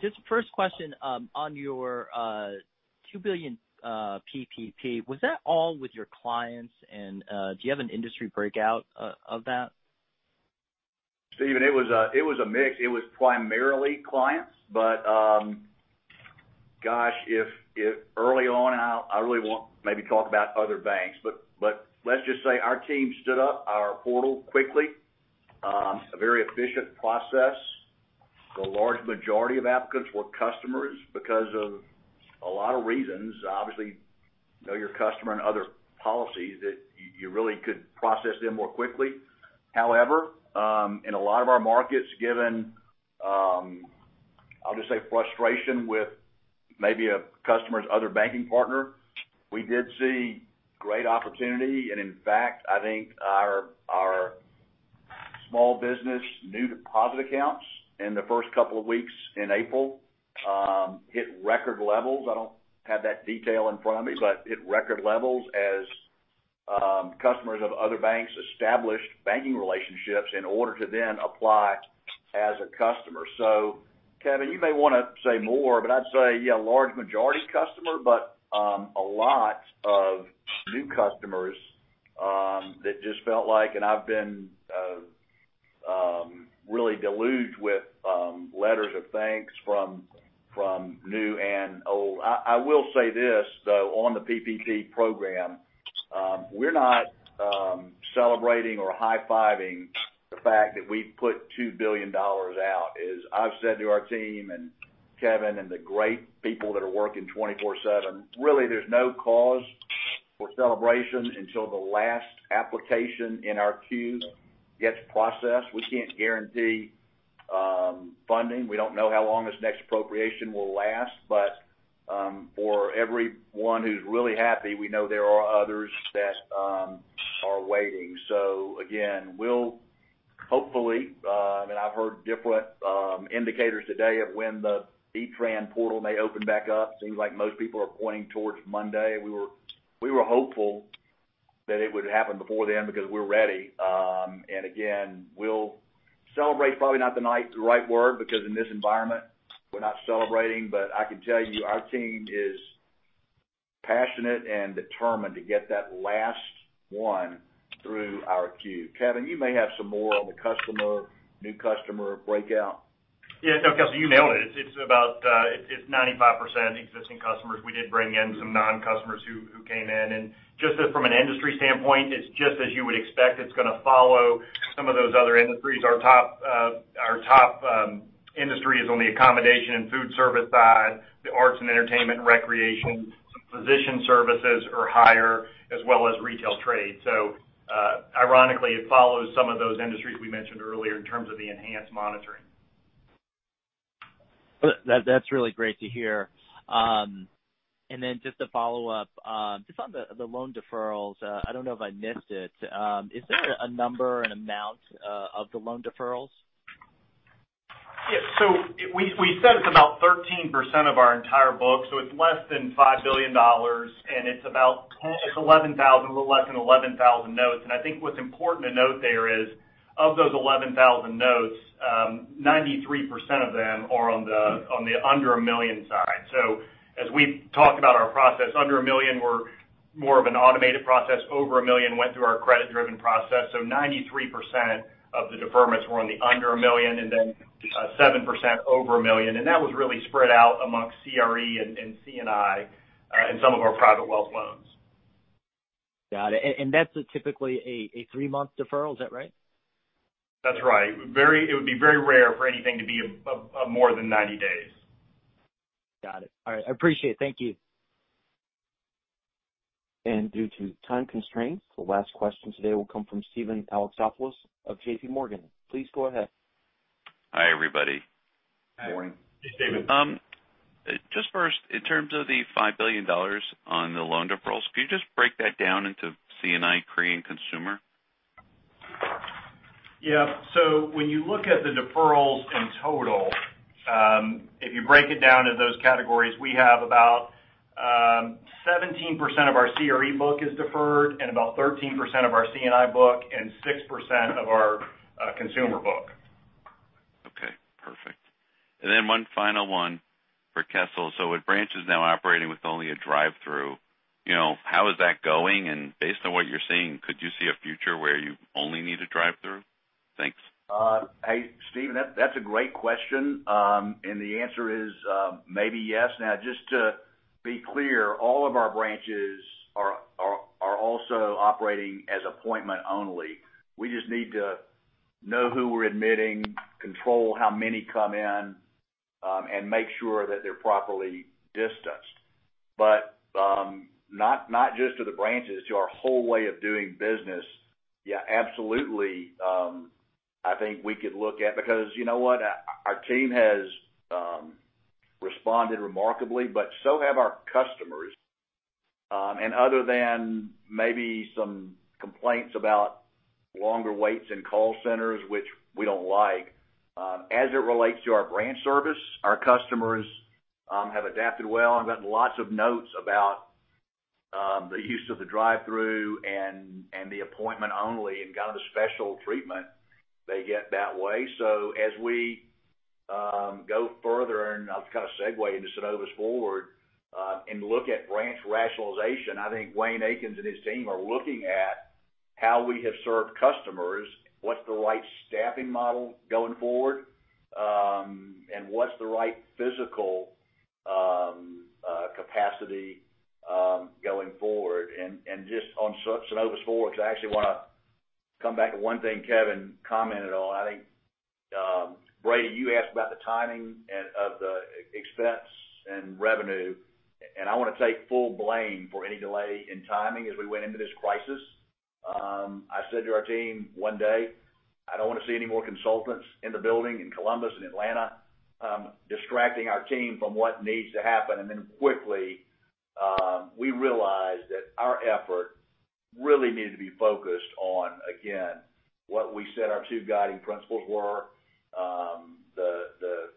Speaker 17: Just first question, on your $2 billion PPP, was that all with your clients, and do you have an industry breakout of that?
Speaker 3: Steven, it was a mix. It was primarily clients. Gosh, early on, I really won't maybe talk about other banks, but let's just say our team stood up our portal quickly. A very efficient process. The large majority of applicants were customers because of a lot of reasons. Obviously, know your customer and other policies that you really could process them more quickly. However, in a lot of our markets, given, I'll just say frustration with maybe a customer's other banking partner, we did see great opportunity, and in fact, I think our small business new deposit accounts in the first couple of weeks in April hit record levels. I don't have that detail in front of me, but hit record levels as customers of other banks established banking relationships in order to then apply as a customer. Kevin, you may want to say more, but I'd say, yeah, large majority customer, but a lot of new customers that just felt like and I've been really deluged with letters of thanks from new and old. I will say this, though, on the PPP program, we're not celebrating or high-fiving the fact that we've put $2 billion out. As I've said to our team and Kevin and the great people that are working 24/7, really there's no cause for celebration until the last application in our queue gets processed. We can't guarantee funding. We don't know how long this next appropriation will last. For everyone who's really happy, we know there are others that are waiting. Again, we'll hopefully I mean, I've heard different indicators today of when the E-Tran portal may open back up. Seems like most people are pointing towards Monday.
Speaker 8: We were hopeful that it would happen before then because we're ready. Again, we'll celebrate probably not the right word because in this environment, we're not celebrating. I can tell you our team is passionate and determined to get that last one through our queue. Kevin, you may have some more on the new customer breakout.
Speaker 5: Yeah. No, Kevin, you nailed it. It's 95% existing customers. We did bring in some non-customers who came in. Just from an industry standpoint, it's just as you would expect. It's going to follow some of those other industries. Our top industry is on the accommodation and food service side, the arts and entertainment and recreation, some physician services are higher, as well as retail trade. Ironically, it follows some of those industries we mentioned earlier in terms of the enhanced monitoring.
Speaker 17: That's really great to hear. Then just to follow up, just on the loan deferrals, I don't know if I missed it. Is there a number, an amount, of the loan deferrals?
Speaker 5: We said it's about 13% of our entire book, it's less than $5 billion, and it's a little less than 11,000 notes. I think what's important to note there is, of those 11,000 notes, 93% of them are on the under $1 million side. As we've talked about our process, under $1 million, we're more of an automated process. Over $1 million went through our credit-driven process. 93% of the deferments were on the under $1 million, and then 7% over $1 million. That was really spread out amongst CRE and C&I, and some of our private wealth loans.
Speaker 17: Got it. That's typically a three-month deferral, is that right?
Speaker 5: That's right. It would be very rare for anything to be more than 90 days.
Speaker 17: Got it. All right, I appreciate it. Thank you.
Speaker 1: Due to time constraints, the last question today will come from Steven Alexopoulos of JPMorgan. Please go ahead.
Speaker 18: Hi, everybody.
Speaker 3: Hi.
Speaker 18: Morning.
Speaker 5: Hey, Steven.
Speaker 18: Just first, in terms of the $5 billion on the loan deferrals, could you just break that down into C&I, CRE, and consumer?
Speaker 5: When you look at the deferrals in total, if you break it down to those categories, we have about 17% of our CRE book is deferred and about 13% of our C&I book and 6% of our consumer book.
Speaker 18: Okay, perfect. One final one for Kessel. With branches now operating with only a drive-thru, how is that going? Based on what you're seeing, could you see a future where you only need a drive-thru? Thanks.
Speaker 3: Hey, Steven, that's a great question. The answer is maybe yes. Just to be clear, all of our branches are also operating as appointment only. We just need to know who we're admitting, control how many come in, and make sure that they're properly distanced. Not just to the branches, to our whole way of doing business, yeah, absolutely, I think we could look at because you know what? Our team has responded remarkably. So have our customers. Other than maybe some complaints about longer waits in call centers, which we don't like, as it relates to our branch service, our customers have adapted well and gotten lots of notes about the use of the drive-thru and the appointment only, and kind of the special treatment they get that way. As we go further, and I'll kind of segue into Synovus Forward, and look at branch rationalization, I think Wayne Akins and his team are looking at how we have served customers, what's the right staffing model going forward, and what's the right physical capacity going forward. Just on Synovus Forward, because I actually want to come back to one thing Kevin commented on. I think, Brady, you asked about the timing of the expense and revenue, and I want to take full blame for any delay in timing as we went into this crisis. I said to our team one day, "I don't want to see any more consultants in the building in Columbus and Atlanta, distracting our team from what needs to happen." Quickly, we realized that our effort really needed to be focused on, again, what we said our two guiding principles were, the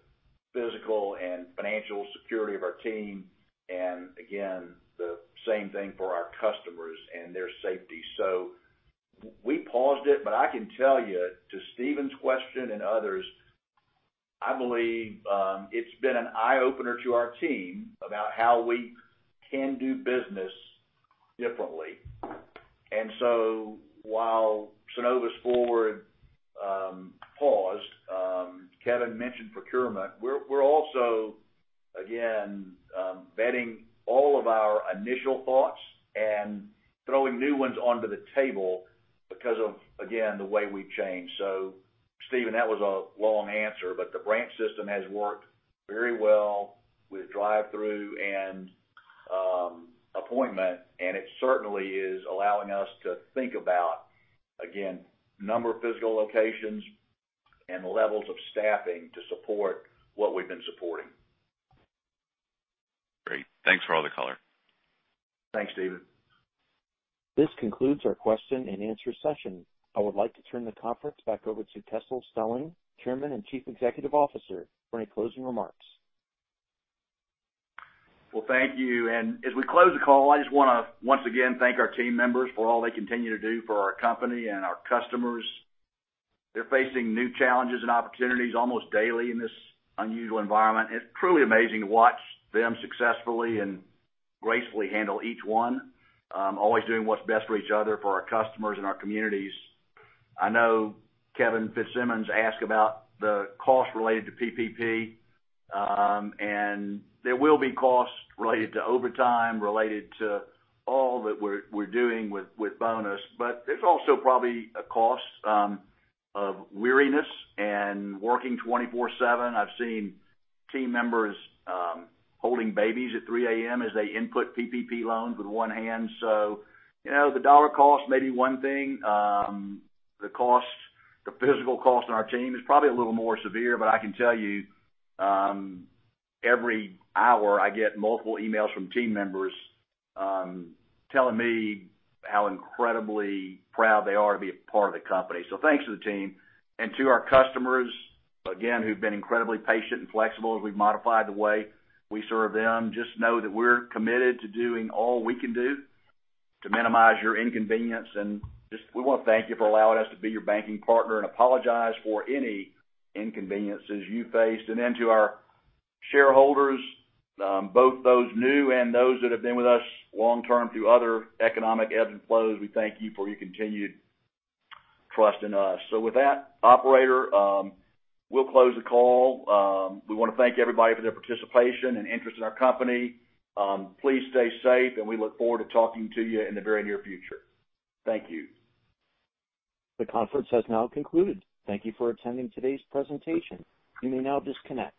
Speaker 3: physical and financial security of our team, and again, the same thing for our customers and their safety. We paused it, but I can tell you, to Steven's question and others, I believe, it's been an eye-opener to our team about how we can do business differently. While Synovus Forward paused, Kevin mentioned procurement, we're also again, vetting all of our initial thoughts and throwing new ones onto the table because of, again, the way we've changed. Steven, that was a long answer, but the branch system has worked very well with drive-thru and appointment, and it certainly is allowing us to think about, again, number of physical locations and the levels of staffing to support what we've been supporting.
Speaker 18: Great. Thanks for all the color.
Speaker 3: Thanks, Steven.
Speaker 1: This concludes our question and answer session. I would like to turn the conference back over to Kessel Stelling, Chairman and Chief Executive Officer, for any closing remarks.
Speaker 3: Well, thank you. As we close the call, I just want to once again thank our team members for all they continue to do for our company and our customers. They're facing new challenges and opportunities almost daily in this unusual environment. It's truly amazing to watch them successfully and gracefully handle each one, always doing what's best for each other, for our customers, and our communities. I know Kevin Fitzsimmons asked about the cost related to PPP. There will be costs related to overtime, related to all that we're doing with bonus. There's also probably a cost of weariness and working 24/7. I've seen team members holding babies at 3:00 A.M. as they input PPP loans with one hand. The dollar cost may be one thing. The physical cost on our team is probably a little more severe, but I can tell you, every hour I get multiple emails from team members telling me how incredibly proud they are to be a part of the company. Thanks to the team. To our customers, again, who've been incredibly patient and flexible as we've modified the way we serve them, just know that we're committed to doing all we can do to minimize your inconvenience, and just we want to thank you for allowing us to be your banking partner and apologize for any inconveniences you faced. To our shareholders, both those new and those that have been with us long term through other economic ebbs and flows, we thank you for your continued trust in us. With that, operator, we'll close the call.
Speaker 5: We want to thank everybody for their participation and interest in our company. Please stay safe, and we look forward to talking to you in the very near future. Thank you.
Speaker 1: The conference has now concluded. Thank you for attending today's presentation. You may now disconnect.